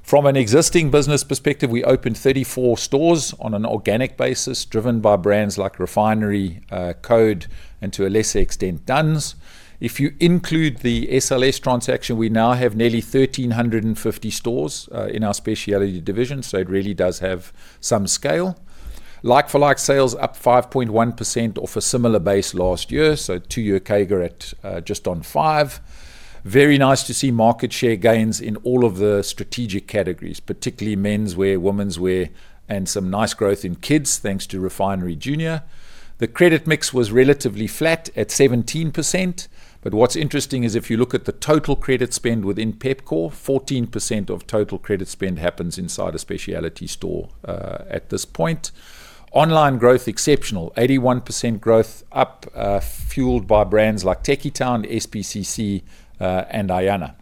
From an existing business perspective, we opened 34 stores on an organic basis, driven by brands like Refinery, CODE, and to a lesser extent, Dunns. If you include the SLS transaction, we now have nearly 1,350 stores in our Speciality division, so two year CAGR at just on five. Very nice to see market share gains in all of the strategic categories, particularly menswear, womenswear, and some nice growth in kids, thanks to Refinery Junior. The credit mix was relatively flat at 17%, but what's interesting is if you look at the total credit spend within Pepkor, 14% of total credit spend happens inside a Speciality store at this point. Online growth exceptional, 81% growth up, fueled by brands like Tekkie Town, SPCC, and Ayana.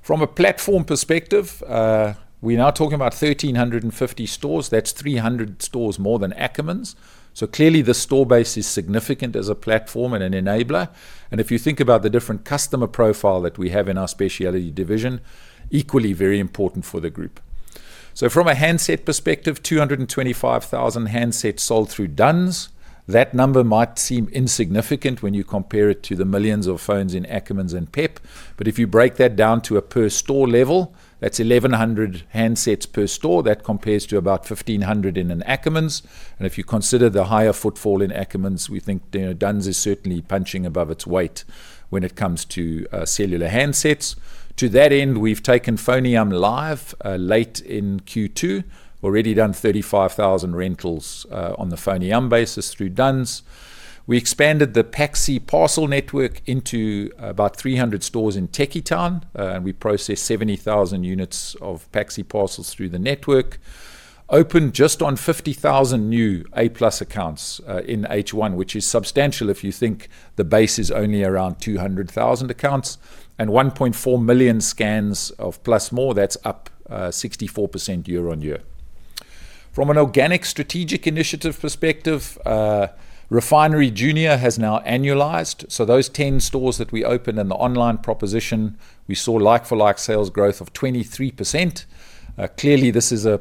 From a platform perspective, we're now talking about 1,350 stores. That's 300 stores more than Ackermans. Clearly the store base is significant as a platform and an enabler. If you think about the different customer profile that we have in our Speciality division, equally very important for the group. From a handset perspective, 225,000 handsets sold through Dunns. That number might seem insignificant when you compare it to the millions of phones in Ackermans and PEP. If you break that down to a per store level, that's 1,100 handsets per store. That compares to about 1,500 in an Ackermans. If you consider the higher footfall in Ackermans, we think Dunns is certainly punching above its weight when it comes to cellular handsets. To that end, we've taken FoneYam live late in Q2. Already done 35,000 rentals on the FoneYam basis through Dunns. We expanded the Paxi parcel network into about 300 stores in Tekkie Town. We processed 70,000 units of Paxi parcels through the network. Opened just on 50,000 new A+ accounts in H1, which is substantial if you think the base is only around 200,000 accounts, and 1.4 million scans of +more. That's up 64% year-over-year. From an organic strategic initiative perspective, Refinery Junior has now annualized. Those 10 stores that we opened and the online proposition, we saw like-for-like sales growth of 23%. Clearly, this is a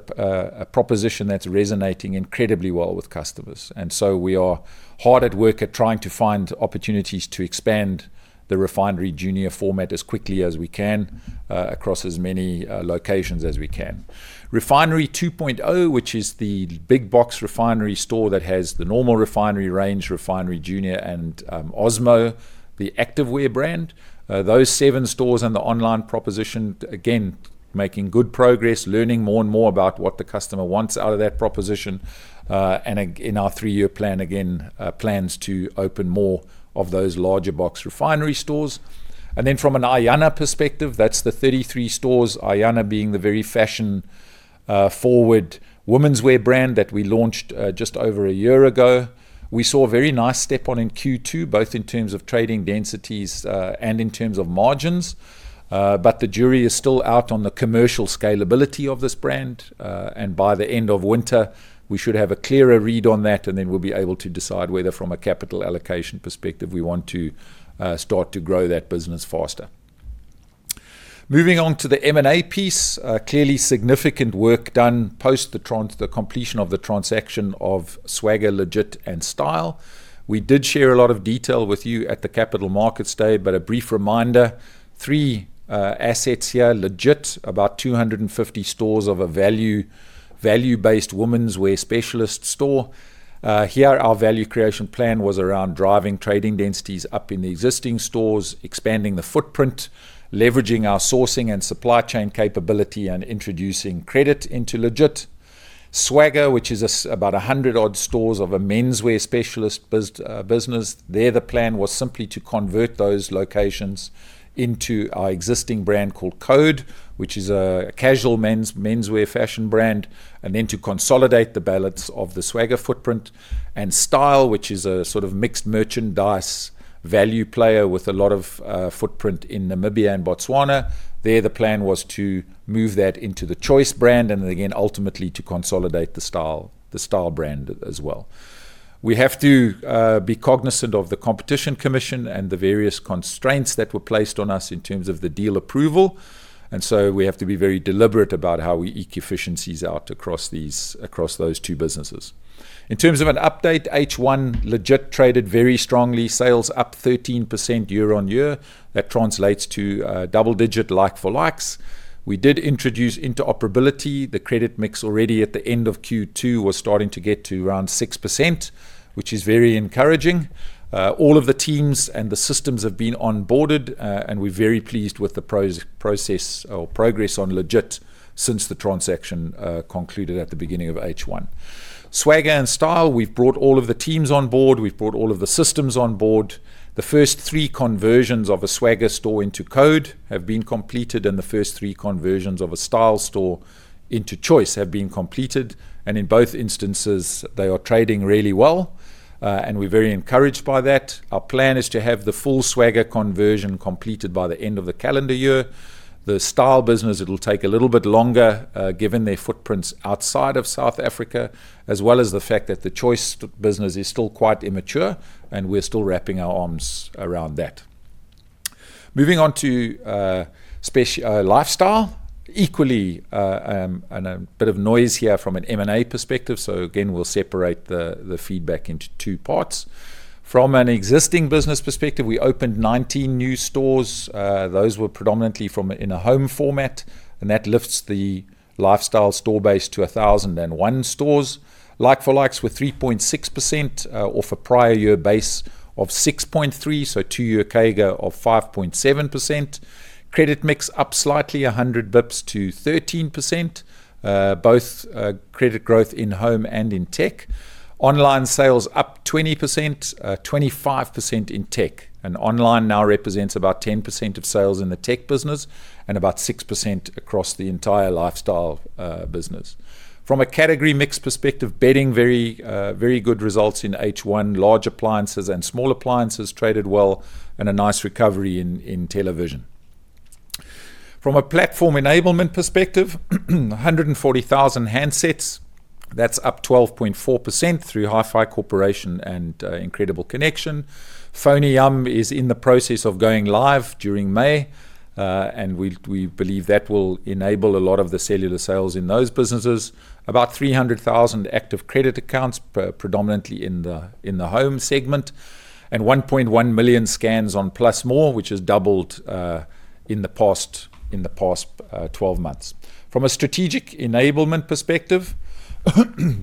proposition that's resonating incredibly well with customers. We are hard at work at trying to find opportunities to expand the Refinery Junior format as quickly as we can across as many locations as we can. Refinery 2.0, which is the big box Refinery store that has the normal Refinery range, Refinery Junior and Ozmo, the activewear brand. Those seven stores and the online proposition, again, making good progress, learning more and more about what the customer wants out of that proposition. In our three-year plan, again, plans to open more of those larger box Refinery stores. From an Ayana perspective, that's the 33 stores, Ayana being the very fashion-forward womenswear brand that we launched just over a year ago. We saw a very nice step on in Q2, both in terms of trading densities and in terms of margins. The jury is still out on the commercial scalability of this brand. By the end of winter, we should have a clearer read on that, then we'll be able to decide whether from a capital allocation perspective, we want to start to grow that business faster. Moving on to the M&A piece, clearly significant work done post the completion of the transaction of Swagga, Legit and Style. We did share a lot of detail with you at the Capital Markets Day, but a brief reminder, three assets here. Legit, about 250 stores of a value-based womenswear specialist store. Here, our value creation plan was around driving trading densities up in the existing stores, expanding the footprint, leveraging our sourcing and supply chain capability, and introducing credit into Legit. Swagga, which is about 100 odd stores of a menswear specialist business. There, the plan was simply to convert those locations into our existing brand called CODE, which is a casual menswear fashion brand, and then to consolidate the balance of the Swagga footprint. Style, which is a sort of mixed merchandise value player with a lot of footprint in Namibia and Botswana. There, the plan was to move that into the Choice brand, and again, ultimately to consolidate the Style brand as well. We have to be cognizant of the Competition Commission and the various constraints that were placed on us in terms of the deal approval. So we have to be very deliberate about how we eke efficiencies out across those two businesses. In terms of an update, H1, Legit traded very strongly, sales up 13% year-on-year. That translates to double-digit like for likes. We did introduce interoperability. The credit mix already at the end of Q2 was starting to get to around 6%, which is very encouraging. All of the teams and the systems have been onboarded, and we're very pleased with the progress on Legit since the transaction concluded at the beginning of H1. Swagga and Style, we've brought all of the teams on board. We've brought all of the systems on board. The first three conversions of a Swagga store into CODE have been completed, and the first three conversions of a Style store into Choice have been completed. In both instances, they are trading really well, and we're very encouraged by that. Our plan is to have the full Swagga conversion completed by the end of the calendar year. The Style business, it'll take a little bit longer, given their footprints outside of South Africa, as well as the fact that the Choice business is still quite immature and we're still wrapping our arms around that. Moving on to Lifestyle. Equally, and a bit of noise here from an M&A perspective, so again, we'll separate the feedback into two parts. From an existing business perspective, we opened 19 new stores. Those were predominantly from an in-home format, and that lifts the Lifestyle store base to 1,001 stores. Like for likes were 3.6% off a prior year base of 6.3%, so two-year CAGR of 5.7%. Credit mix up slightly, 100 basis points to 13%, both credit growth in home and in tech. Online sales up 20%, 25% in tech. Online now represents about 10% of sales in the tech business and about 6% across the entire Lifestyle business. From a category mix perspective, bedding very good results in H1. Large appliances and small appliances traded well, and a nice recovery in television. From a platform enablement perspective, 140,000 handsets. That's up 12.4% through HiFi Corp and Incredible Connection. FoneYam is in the process of going live during May, and we believe that will enable a lot of the cellular sales in those businesses. About 300,000 active credit accounts, predominantly in the home segment, and 1.1 million scans on +more, which has doubled in the past 12 months. From a strategic enablement perspective,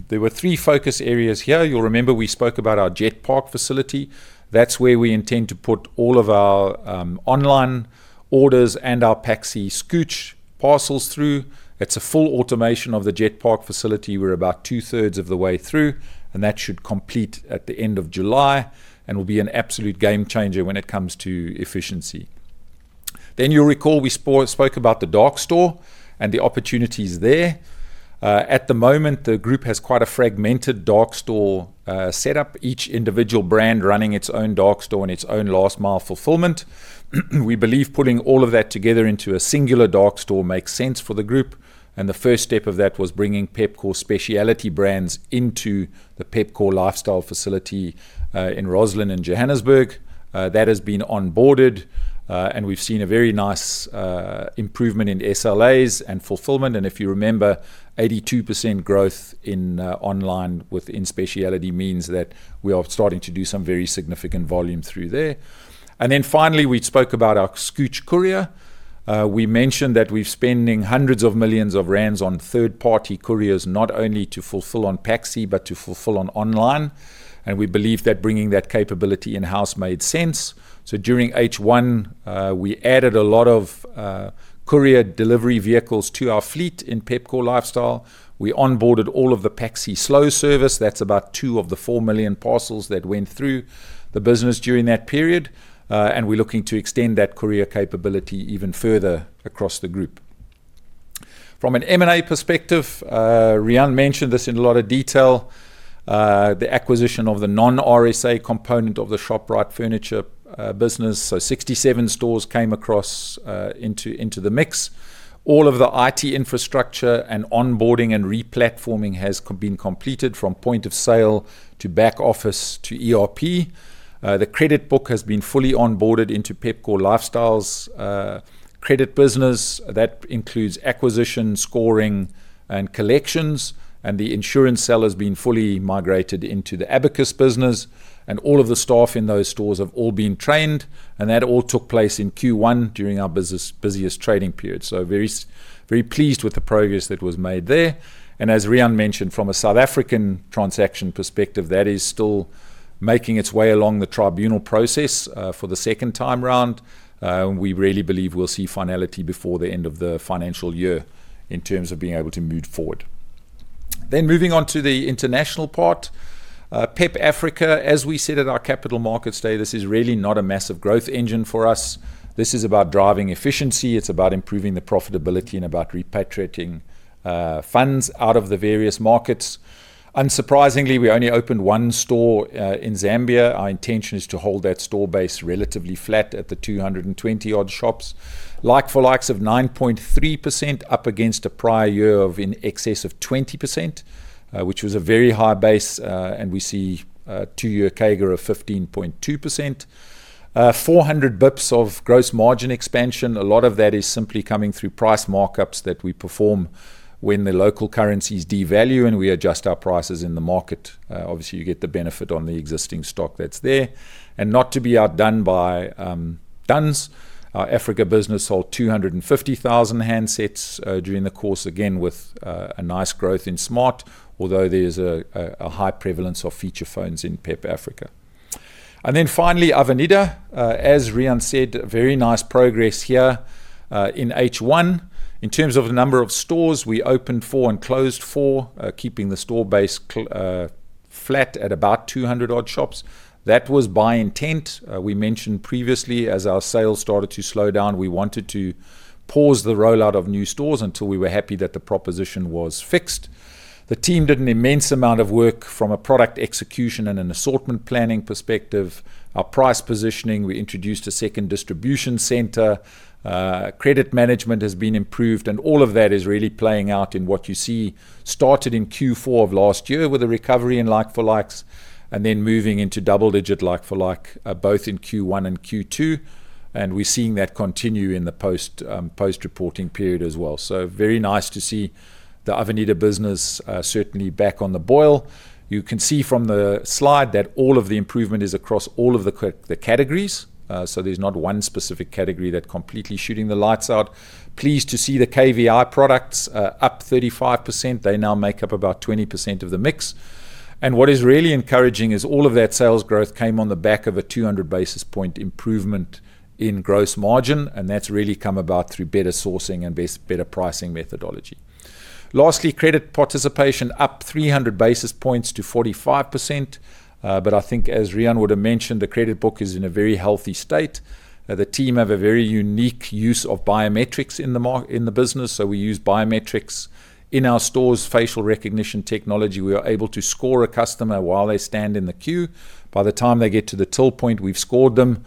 there were three focus areas here. You'll remember we spoke about our Jet Park facility. That's where we intend to put all of our online orders and our Paxi Skooch parcels through. It's a full automation of the Jet Park facility. We're about 2/3 of the way through, and that should complete at the end of July and will be an absolute game changer when it comes to efficiency. You'll recall we spoke about the dark store and the opportunities there. At the moment, the group has quite a fragmented dark store setup, each individual brand running its own dark store and its own last mile fulfillment. We believe putting all of that together into a singular dark store makes sense for the group, and the first step of that was bringing Pepkor Speciality brands into the Pepkor Lifestyle facility in Rosslyn in Johannesburg. That has been onboarded, and we've seen a very nice improvement in SLAs and fulfillment. If you remember, 82% growth in online within Speciality means that we are starting to do some very significant volume through there. We spoke about our Skooch Courier. We mentioned that we're spending hundreds of millions of Rand on third-party couriers, not only to fulfill on Paxi but to fulfill on online. We believe that bringing that capability in-house made sense. During H1, we added a lot of courier delivery vehicles to our fleet in Pepkor Lifestyle. We onboarded all of the Paxi Slow service. That's about two of the 4 million parcels that went through the business during that period. We're looking to extend that courier capability even further across the group. From an M&A perspective, Riaan mentioned this in a lot of detail. The acquisition of the non-RSA component of the Shoprite Furniture business. 67 stores came across into the mix. All of the IT infrastructure and onboarding and re-platforming has been completed from point of sale to back office to ERP. The credit book has been fully onboarded into Pepkor Lifestyle's credit business. That includes acquisition, scoring, and collections. The insurance cell has been fully migrated into the Abacus business. All of the staff in those stores have all been trained, and that all took place in Q1 during our busiest trading period. Very pleased with the progress that was made there. As Riaan mentioned, from a South African transaction perspective, that is still making its way along the Tribunal process for the second time around. We really believe we'll see finality before the end of the financial year in terms of being able to move forward. Moving on to the international part. PEP Africa, as we said at our Capital Markets Day, this is really not a massive growth engine for us. This is about driving efficiency. It's about improving the profitability and about repatriating funds out of the various markets. Unsurprisingly, we only opened one store in Zambia. Our intention is to hold that store base relatively flat at the 220 odd shops. Like-for-likes of 9.3% up against a prior year of in excess of 20%, which was a very high base, and we see a two-year CAGR of 15.2%. 400 basis points of gross margin expansion. A lot of that is simply coming through price markups that we perform when the local currencies devalue, we adjust our prices in the market. Obviously, you get the benefit on the existing stock that's there. Not to be outdone by Dunns, our Africa business sold 250,000 handsets during the course, again, with a nice growth in smart, although there's a high prevalence of feature phones in PEP Africa. Finally, Avenida. As Riaan said, very nice progress here in H1. In terms of the number of stores, we opened four and closed four, keeping the store base flat at about 200 odd shops. That was by intent. We mentioned previously, as our sales started to slow down, we wanted to pause the rollout of new stores until we were happy that the proposition was fixed. The team did an immense amount of work from a product execution and an assortment planning perspective. Our price positioning, we introduced a second distribution center. Credit management has been improved, and all of that is really playing out in what you see started in Q4 of last year with a recovery in like for likes, and then moving into double-digit like for like both in Q1 and Q2, and we're seeing that continue in the post-reporting period as well. Very nice to see the Avenida business certainly back on the boil. You can see from the slide that all of the improvement is across all of the categories. There's not one specific category that are completely shooting the lights out. Pleased to see the KVI products up 35%. They now make up about 20% of the mix. What is really encouraging is all of that sales growth came on the back of a 200 basis point improvement in gross margin, and that's really come about through better sourcing and better pricing methodology. Lastly, credit participation up 300 basis points to 45%, but I think as Riaan would have mentioned, the credit book is in a very healthy state. The team have a very unique use of biometrics in the business. We use biometrics in our stores, facial recognition technology. We are able to score a customer while they stand in the queue. By the time they get to the till point, we've scored them,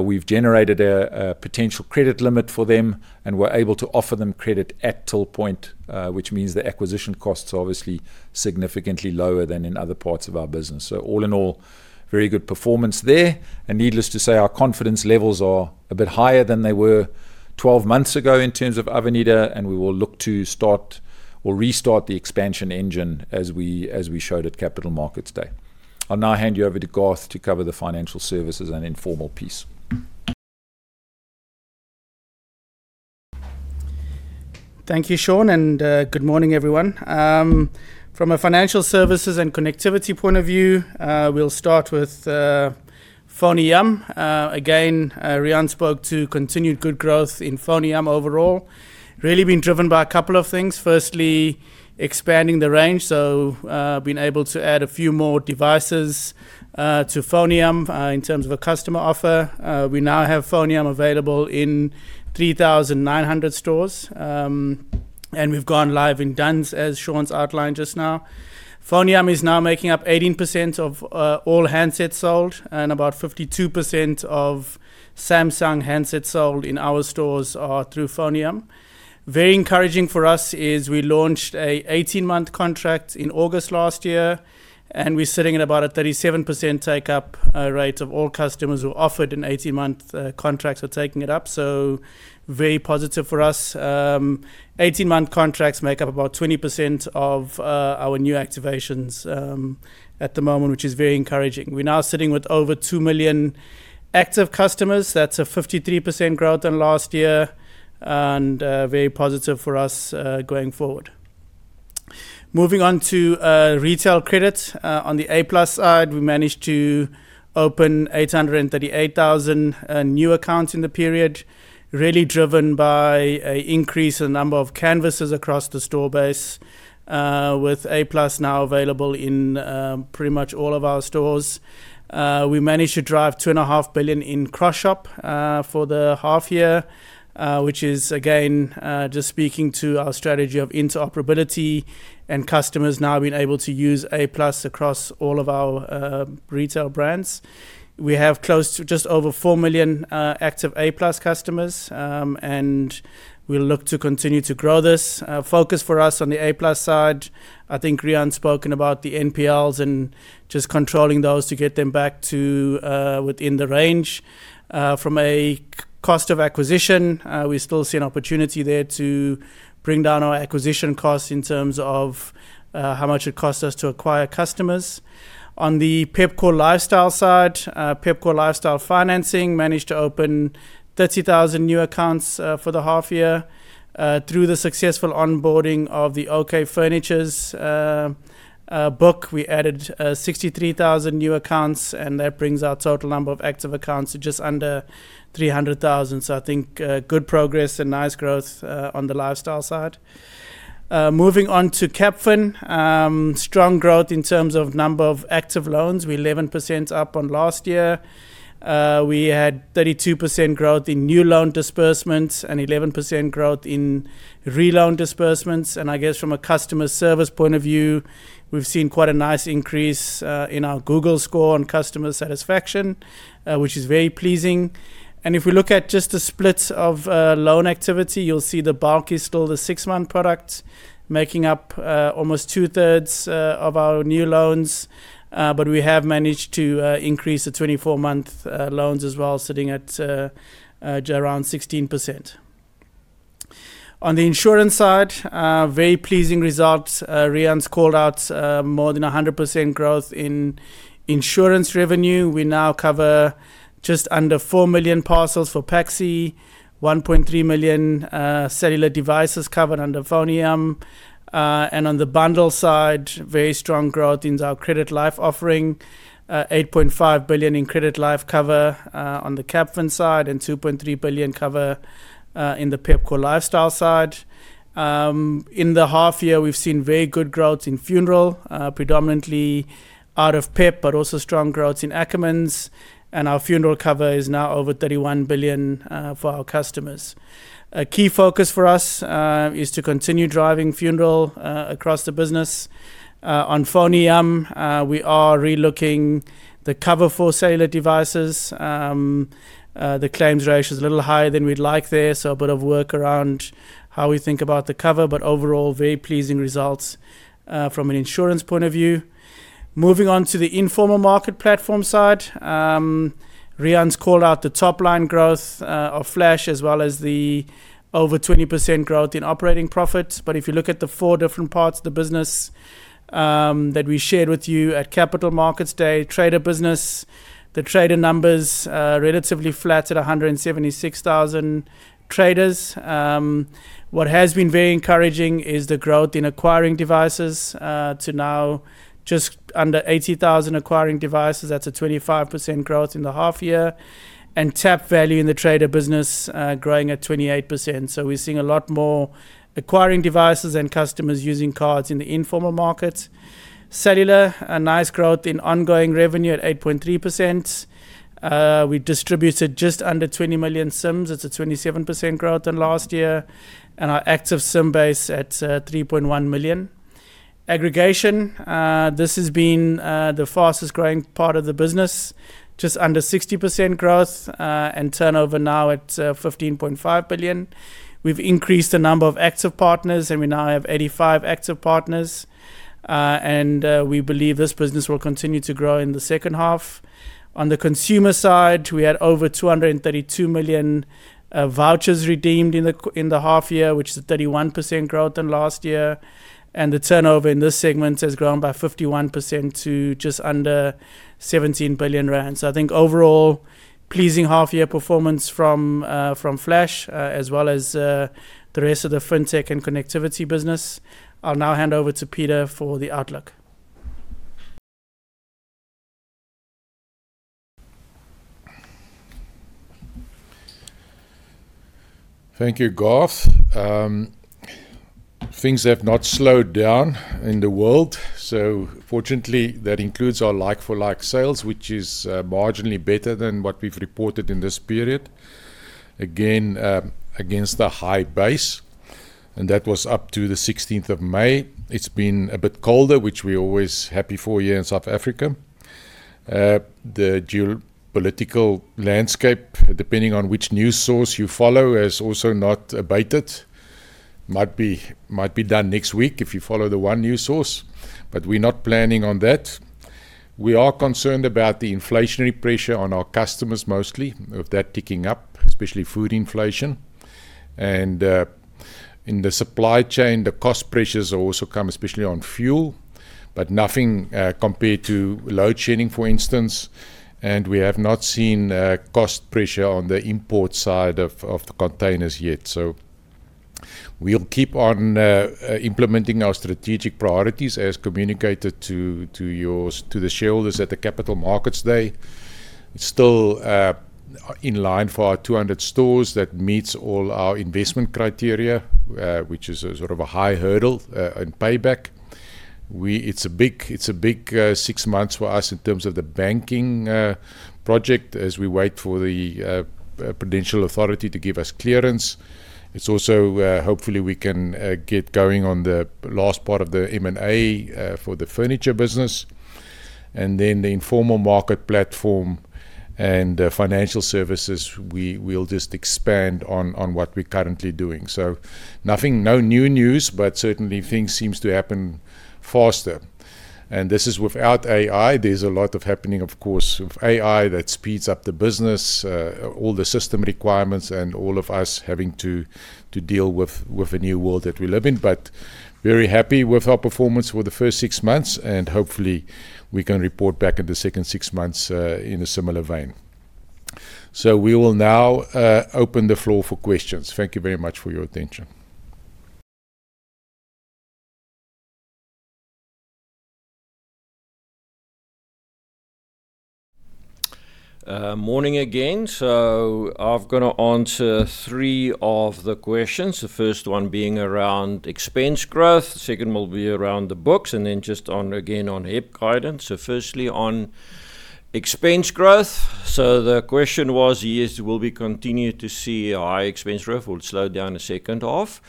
we've generated a potential credit limit for them, and we're able to offer them credit at till point, which means the acquisition cost is obviously significantly lower than in other parts of our business. All in all, very good performance there. Needless to say, our confidence levels are a bit higher than they were 12 months ago in terms of Avenida, and we will look to start or restart the expansion engine as we showed at Capital Markets Day. I'll now hand you over to Garth to cover the financial services and informal piece. Thank you, Sean, and good morning, everyone. From a financial services and connectivity point of view, we'll start with FoneYam. Riaan spoke to continued good growth in FoneYam overall. Really been driven by a couple of things. Firstly, expanding the range, so being able to add a few more devices to FoneYam in terms of a customer offer. We now have FoneYam available in 3,900 stores, and we've gone live in Dunns, as Sean's outlined just now. FoneYam is now making up 18% of all handsets sold, and about 52% of Samsung handsets sold in our stores are through FoneYam. Very encouraging for us is we launched an 18-month contract in August last year, and we're sitting at about a 37% take-up rate of all customers who offered an 18-month contract are taking it up, so very positive for us. 18-month contracts make up about 20% of our new activations at the moment, which is very encouraging. We're now sitting with over 2 million active customers. That's a 53% growth on last year and very positive for us going forward. Moving on to retail credit. On the A+ side, we managed to open 838,000 new accounts in the period, really driven by an increase in the number of canvassers across the store base, with A+ now available in pretty much all of our stores. We managed to drive 2.5 billion in cross shop for the half year, which is, again, just speaking to our strategy of interoperability and customers now being able to use A+ across all of our retail brands. We have close to just over 4 million active A+ customers, and we look to continue to grow this. Focus for us on the A+ side, I think Riaan's spoken about the NPLs and just controlling those to get them back to within the range. From a cost of acquisition, we still see an opportunity there to bring down our acquisition costs in terms of how much it costs us to acquire customers. On the Pepkor Lifestyle side, Pepkor Lifestyle Financing managed to open 30,000 new accounts for the half year. Through the successful onboarding of the OK Furniture's book, we added 63,000 new accounts, that brings our total number of active accounts to just under 300,000. I think good progress and nice growth on the lifestyle side. Moving on to Capfin. Strong growth in terms of number of active loans, we're 11% up on last year. We had 32% growth in new loan disbursements and 11% growth in reloan disbursements. I guess from a customer service point of view, we've seen quite a nice increase in our Google score on customer satisfaction, which is very pleasing. If we look at just the split of loan activity, you'll see the bulk is still the six-month product, making up almost 2/3 of our new loans. We have managed to increase the 24-month loans as well, sitting at just around 16%. On the insurance side, very pleasing results. Riaan's called out more than 100% growth in insurance revenue. We now cover just under 4 million parcels for Paxi, 1.3 million cellular devices covered under FoneYam. On the bundle side, very strong growth in our Credit Life offering. 8.5 billion in Credit Life cover on the Capfin side and 2.3 billion cover in the Pepkor Lifestyle side. In the half year, we've seen very good growth in funeral, predominantly out of PEP, but also strong growth in Ackermans. Our funeral cover is now over 31 billion for our customers. A key focus for us is to continue driving funeral across the business. On FoneYam, we are relooking the cover for cellular devices. The claims ratio is a little higher than we'd like there, so a bit of work around how we think about the cover. Overall, very pleasing results from an insurance point of view. Moving on to the informal market platform side. Riaan's called out the top-line growth of Flash, as well as the over 20% growth in operating profits. If you look at the four different parts of the business that we shared with you at Capital Markets Day, trader business, the trader numbers are relatively flat at 176,000 traders. What has been very encouraging is the growth in acquiring devices to now just under 80,000 acquiring devices. That's a 25% growth in the half year. Tap value in the trader business growing at 28%. We're seeing a lot more acquiring devices and customers using cards in the informal markets. Cellular, a nice growth in ongoing revenue at 8.3%. We distributed just under 20 million SIMs. That's a 27% growth on last year. Our active SIM base at 3.1 million. Aggregation, this has been the fastest growing part of the business, just under 60% growth and turnover now at 15.5 billion. We've increased the number of active partners, and we now have 85 active partners. We believe this business will continue to grow in the second half. On the consumer side, we had over 232 million vouchers redeemed in the half year, which is a 31% growth on last year. The turnover in this segment has grown by 51% to just under 17 billion rand. I think overall, pleasing half year performance from Flash, as well as the rest of the fintech and connectivity business. I'll now hand over to Pieter for the outlook. Thank you, Garth. Things have not slowed down in the world, fortunately, that includes our like-for-like sales, which is marginally better than what we've reported in this period. Again, against a high base, that was up to the 16th of May. It's been a bit colder, which we're always happy for here in South Africa. The geopolitical landscape, depending on which news source you follow, has also not abated. Might be done next week if you follow the one news source, we're not planning on that. We are concerned about the inflationary pressure on our customers, mostly, of that ticking up, especially food inflation. In the supply chain, the cost pressures have also come, especially on fuel, nothing compared to load shedding, for instance, we have not seen cost pressure on the import side of containers yet. We'll keep on implementing our strategic priorities as communicated to the shareholders at the Capital Markets Day. It's still in line for our 200 stores. That meets all our investment criteria, which is a sort of a high hurdle in payback. It's a big six months for us in terms of the banking project, as we wait for the Prudential Authority to give us clearance. It's also, hopefully, we can get going on the last part of the M&A for the furniture business, and then the informal market platform and financial services. We'll just expand on what we're currently doing. Nothing, no new news, but certainly things seems to happen faster. This is without AI. There's a lot happening, of course, with AI that speeds up the business, all the system requirements and all of us having to deal with a new world that we live in. Very happy with our performance for the first six months, and hopefully, we can report back in the second six months in a similar vein. We will now open the floor for questions. Thank you very much for your attention. Morning again. I'm going to answer three of the questions. The first one being around expense growth, the second will be around the books, and then just on, again, on HEPS guidance. Firstly, on expense growth. The question was, yes, will we continue to see a high expense growth or will it slow down the second half?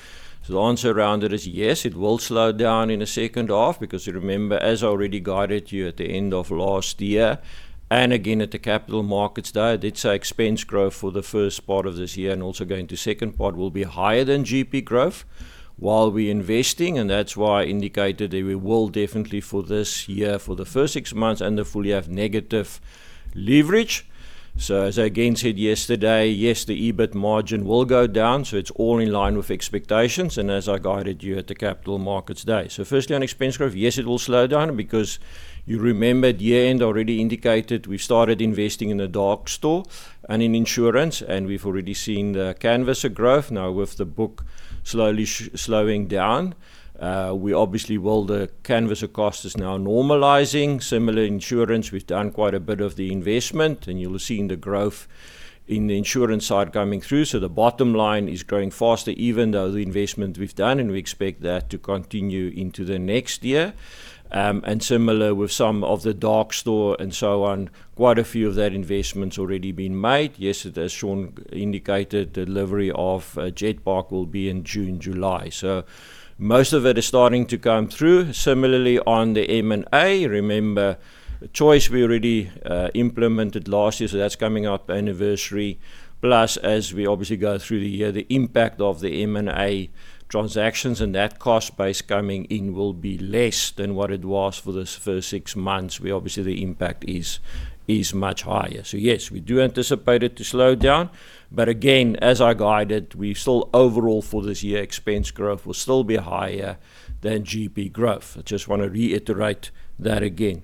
The answer around it is, yes, it will slow down in the second half. Remember, as I already guided you at the end of last year, and again at the Capital Markets Day. I did say expense growth for the first part of this year and also going to second part will be higher than GP growth while we're investing. That's why I indicated that we will definitely for this year, for the first six months and the full year, have negative leverage. As I again said yesterday, yes, the EBIT margin will go down. It's all in line with expectations and as I guided you at the Capital Markets Day. Firstly, on expense growth, yes, it will slow down because you remember at year-end I already indicated we started investing in the dark store and in insurance, and we've already seen the canvasser growth. Now with the book slowly slowing down, obviously, the canvasser cost is now normalizing. Similar insurance, we've done quite a bit of the investment, you're seeing the growth in the insurance side coming through. The bottom line is growing faster even though the investment we've done, and we expect that to continue into the next year. Similar with some of the dark store and so on. Quite a few of that investment's already been made. Yesterday, Sean indicated delivery of Jet Park will be in June, July. Most of it is starting to come through. Similarly, on the M&A, remember, Choice we already implemented last year, so that's coming up anniversary. As we obviously go through the year, the impact of the M&A transactions and that cost base coming in will be less than what it was for this first six months, where obviously the impact is much higher. Yes, we do anticipate it to slow down. Again, as I guided, we still overall for this year, expense growth will still be higher than GP growth. I just want to reiterate that again.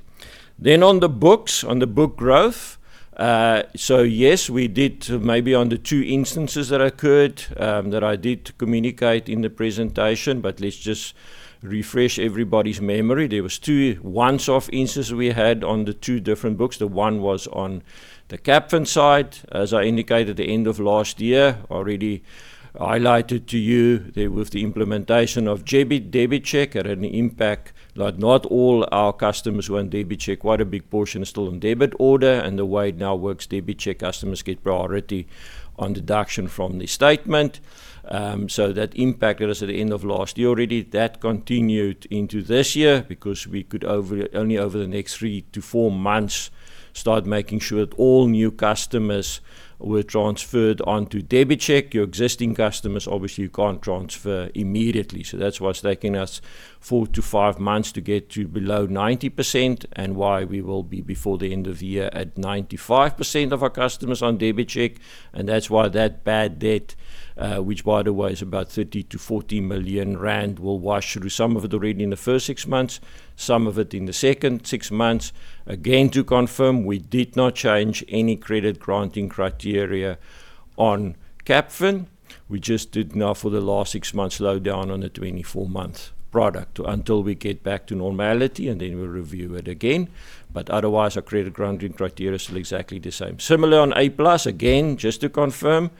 On the books, on the book growth. Yes, we did maybe on the two instances that occurred, that I did communicate in the presentation, but let's just refresh everybody's memory. There was two once-off instances we had on the two different books. The one was on the Capfin side. As I indicated at the end of last year, already highlighted to you there with the implementation of DebiCheck had an impact. Not all our customers were on DebiCheck. Quite a big portion still on debit order. The way it now works, DebiCheck customers get priority on deduction from the statement. That impacted us at the end of last year already. That continued into this year because we could only over the next three to four months start making sure that all new customers were transferred onto DebiCheck. Your existing customers, obviously, you can't transfer immediately. That's what's taking us four to five months to get to below 90%, and why we will be before the end of the year at 95% of our customers on DebiCheck. That's why that bad debt, which by the way is about 30 million-40 million rand, will wash through. Some of it already in the first six months, some of it in the second six months. Again, to confirm, we did not change any credit granting criteria on Capfin. We just did now for the last six months slow down on the 24-month product until we get back to normality, and then we'll review it again. Otherwise, our credit granting criteria is still exactly the same. Similar on A+. Again, just to confirm,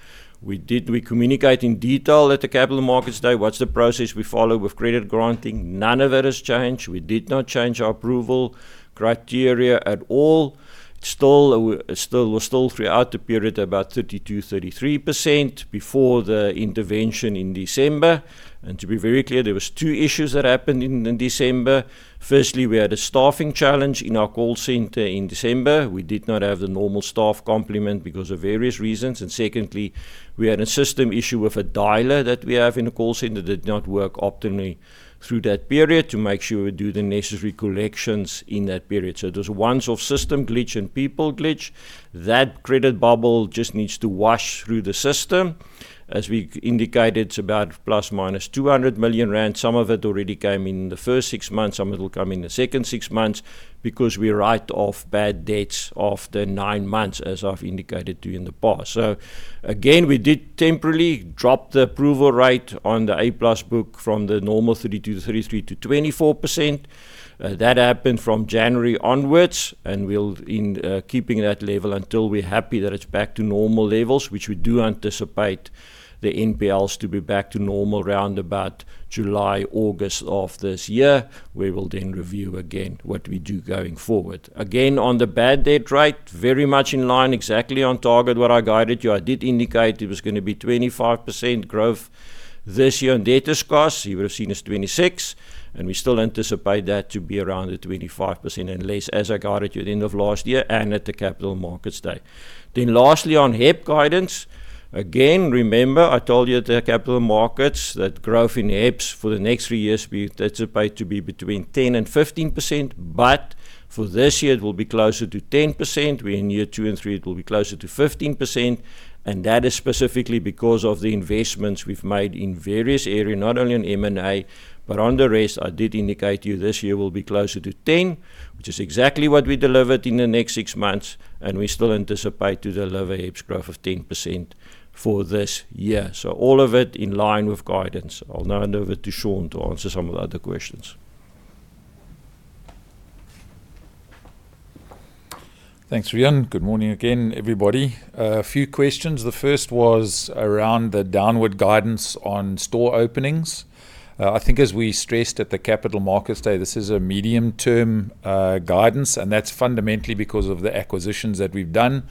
we communicated in detail at the Capital Markets Day what is the process we follow with credit granting. None of that has changed. We did not change our approval Criteria at all. We're still throughout the period about 32%, 33% before the intervention in December. To be very clear, there was two issues that happened in December. Firstly, we had a staffing challenge in our call center in December. We did not have the normal staff complement because of various reasons. Secondly, we had a system issue with a dialer that we have in the call center that did not work optimally through that period to make sure we do the necessary corrections in that period. There's a once-off system glitch and people glitch. That credit bubble just needs to wash through the system. As we indicated, it's about ±200 million rand. Some of it already came in the first six months, some of it will come in the second six months because we write off bad debts after nine months, as I've indicated to you in the past. Again, we did temporarily drop the approval rate on the A+ book from the normal 32%, 33% to 24%. That happened from January onwards, and we'll be keeping that level until we're happy that it's back to normal levels, which we do anticipate the NPLs to be back to normal around about July, August of this year. We will review again what we do going forward. On the bad debt rate, very much in line, exactly on target what I guided you. I did indicate it was going to be 25% growth this year on debtors cost. You have seen it's 26%, and we still anticipate that to be around the 25% unless, as I guided you at the end of last year and at the Capital Markets Day. Lastly, on HEPS guidance, again, remember I told you at the Capital Markets that growth in HEPS for the next three years we anticipate to be between 10% and 15%, but for this year, it will be closer to 10%. We're in year two and three, it will be closer to 15%, and that is specifically because of the investments we've made in various areas, not only in M&A, but on the rest, I did indicate to you this year will be closer to 10%, which is exactly what we delivered in the next six months, and we still anticipate to deliver HEPS growth of 10% for this year. All of it in line with guidance. I'll now hand over to Sean to answer some of the other questions. Thanks, Riaan. Good morning again, everybody. A few questions. The first was around the downward guidance on store openings. I think as we stressed at the Capital Markets Day, this is a medium-term guidance, and that's fundamentally because of the acquisitions that we've done.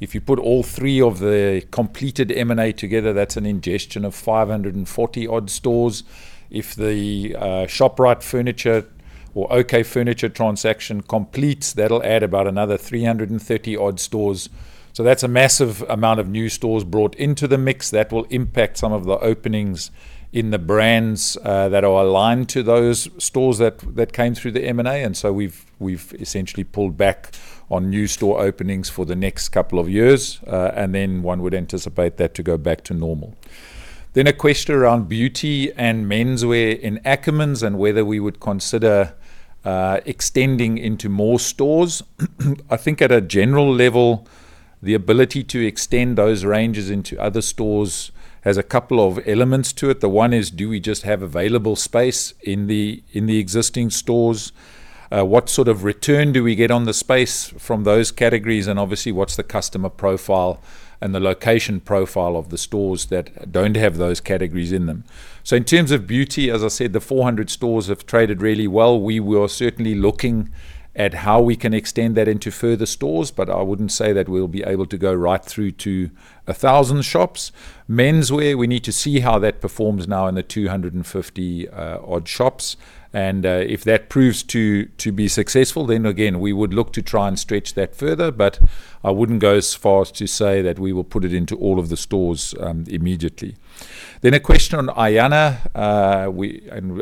If you put all three of the completed M&A together, that's an ingestion of 540 odd stores. If the Shoprite Furniture or OK Furniture transaction completes, that'll add about another 330 odd stores. That's a massive amount of new stores brought into the mix that will impact some of the openings in the brands that are aligned to those stores that came through the M&A. We've essentially pulled back on new store openings for the next couple of years, and then one would anticipate that to go back to normal. A question around beauty and menswear in Ackermans and whether we would consider extending into more stores. I think at a general level, the ability to extend those ranges into other stores has a couple of elements to it. The one is, do we just have available space in the existing stores? What sort of return do we get on the space from those categories? Obviously, what's the customer profile and the location profile of the stores that don't have those categories in them? In terms of beauty, as I said, the 400 stores have traded really well. We are certainly looking at how we can extend that into further stores, I wouldn't say that we'll be able to go right through to 1,000 shops. Menswear, we need to see how that performs now in the 250 odd shops. If that proves to be successful, then again, we would look to try and stretch that further, but I wouldn't go as far as to say that we will put it into all of the stores immediately. A question on Ayana.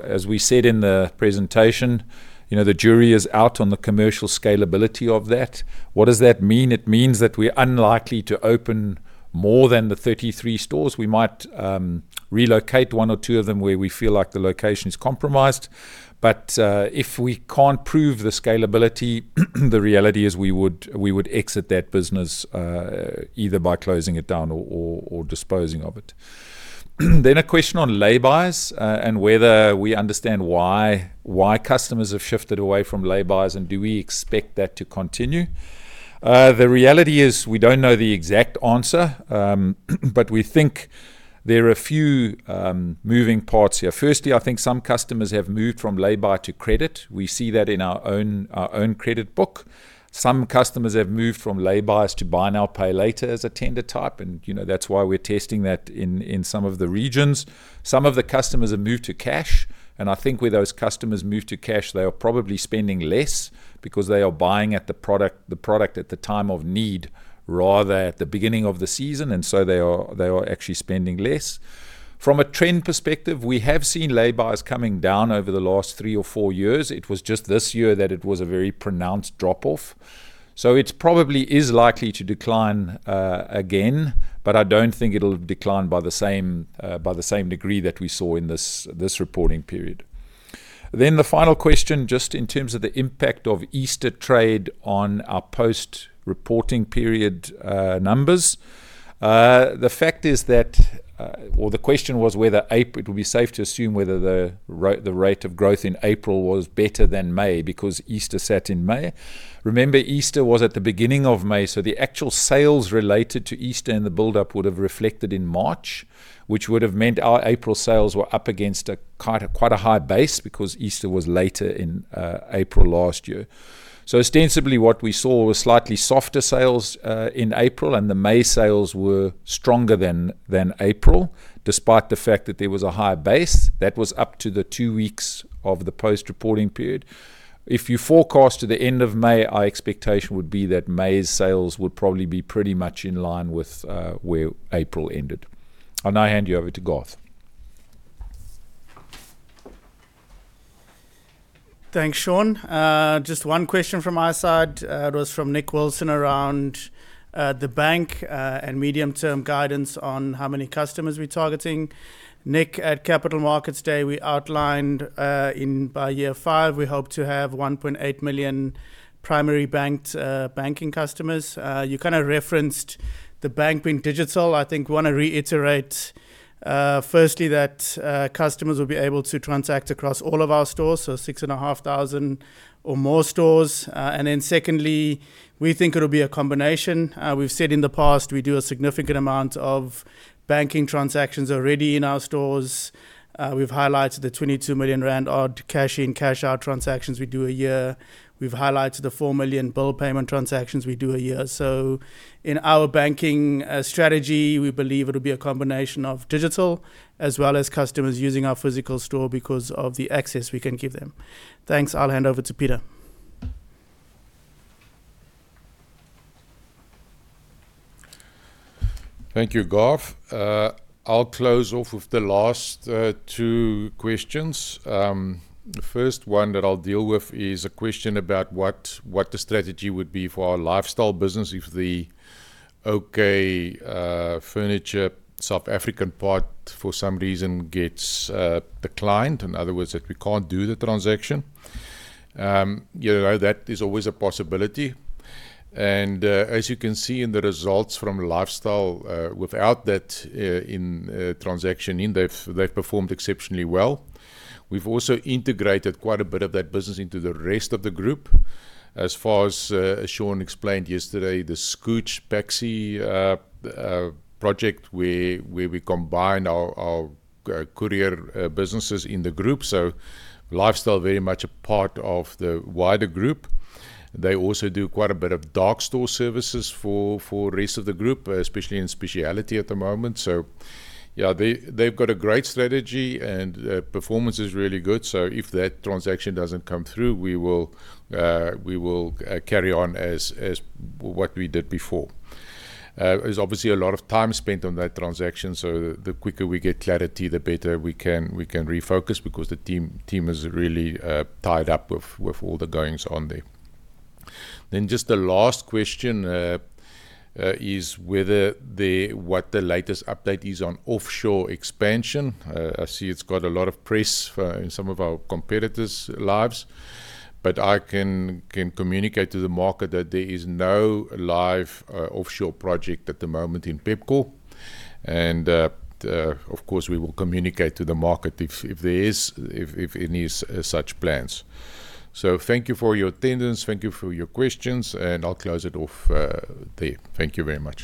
As we said in the presentation, the jury is out on the commercial scalability of that. What does that mean? It means that we're unlikely to open more than the 33 stores. We might relocate one or two of them where we feel like the location is compromised. If we can't prove the scalability, the reality is we would exit that business, either by closing it down or disposing of it. A question on lay-bys and whether we understand why customers have shifted away from lay-bys, and do we expect that to continue. The reality is we don't know the exact answer. We think there are a few moving parts here. Firstly, I think some customers have moved from lay-by to credit. We see that in our own credit book. Some customers have moved from lay-bys to buy now, pay later as a tender type. That's why we're testing that in some of the regions. Some of the customers have moved to cash. I think where those customers move to cash, they are probably spending less because they are buying the product at the time of need rather at the beginning of the season. They are actually spending less. From a trend perspective, we have seen lay-bys coming down over the last three or four years. It was just this year that it was a very pronounced drop-off. It probably is likely to decline again, but I don't think it'll decline by the same degree that we saw in this reporting period. The final question, just in terms of the impact of Easter trade on our post-reporting period numbers. The question was whether it would be safe to assume whether the rate of growth in April was better than May because Easter sat in May. Remember, Easter was at the beginning of May, so the actual sales related to Easter and the buildup would have reflected in March, which would've meant our April sales were up against quite a high base because Easter was later in April last year. Ostensibly what we saw was slightly softer sales in April, and the May sales were stronger than April, despite the fact that there was a higher base. That was up to the two weeks of the post-reporting period. If you forecast to the end of May, our expectation would be that May's sales would probably be pretty much in line with where April ended. I now hand you over to Garth. Thanks, Sean. Just one question from my side. It was from Nick Wilson around the bank and medium-term guidance on how many customers we're targeting. Nick, at Capital Markets Day, we outlined by year five, we hope to have 1.8 million primary banked banking customers. You referenced the bank being digital. I think I want to reiterate, firstly, that customers will be able to transact across all of our stores, so 6,500 or more stores. Secondly, we think it will be a combination. We have said in the past we do a significant amount of banking transactions already in our stores. We have highlighted the 22 million rand odd cash in, cash out transactions we do a year. We have highlighted the 4 million bill payment transactions we do a year. In our banking strategy, we believe it will be a combination of digital as well as customers using our physical store because of the access we can give them. Thanks. I will hand over to Pieter. Thank you, Garth. I'll close off with the last two questions. The first one that I'll deal with is a question about what the strategy would be for our Lifestyle business if the OK Furniture South African part, for some reason, gets declined. In other words, if we can't do the transaction. That is always a possibility. As you can see in the results from Lifestyle, without that transaction in, they've performed exceptionally well. We've also integrated quite a bit of that business into the rest of the group. As far as Sean explained yesterday, the Skooch Paxi project where we combine our courier businesses in the group, so Lifestyle very much a part of the wider group. They also do quite a bit of dark store services for the rest of the group, especially in Speciality at the moment. Yeah, they've got a great strategy, and performance is really good. If that transaction doesn't come through, we will carry on as what we did before. There's obviously a lot of time spent on that transaction, so the quicker we get clarity, the better we can refocus because the team is really tied up with all the goings on there. Just the last question is what the latest update is on offshore expansion. I see it's got a lot of press in some of our competitors' lives, but I can communicate to the market that there is no live offshore project at the moment in Pepkor. Of course, we will communicate to the market if there is any such plans. Thank you for your attendance. Thank you for your questions, and I'll close it off there. Thank you very much.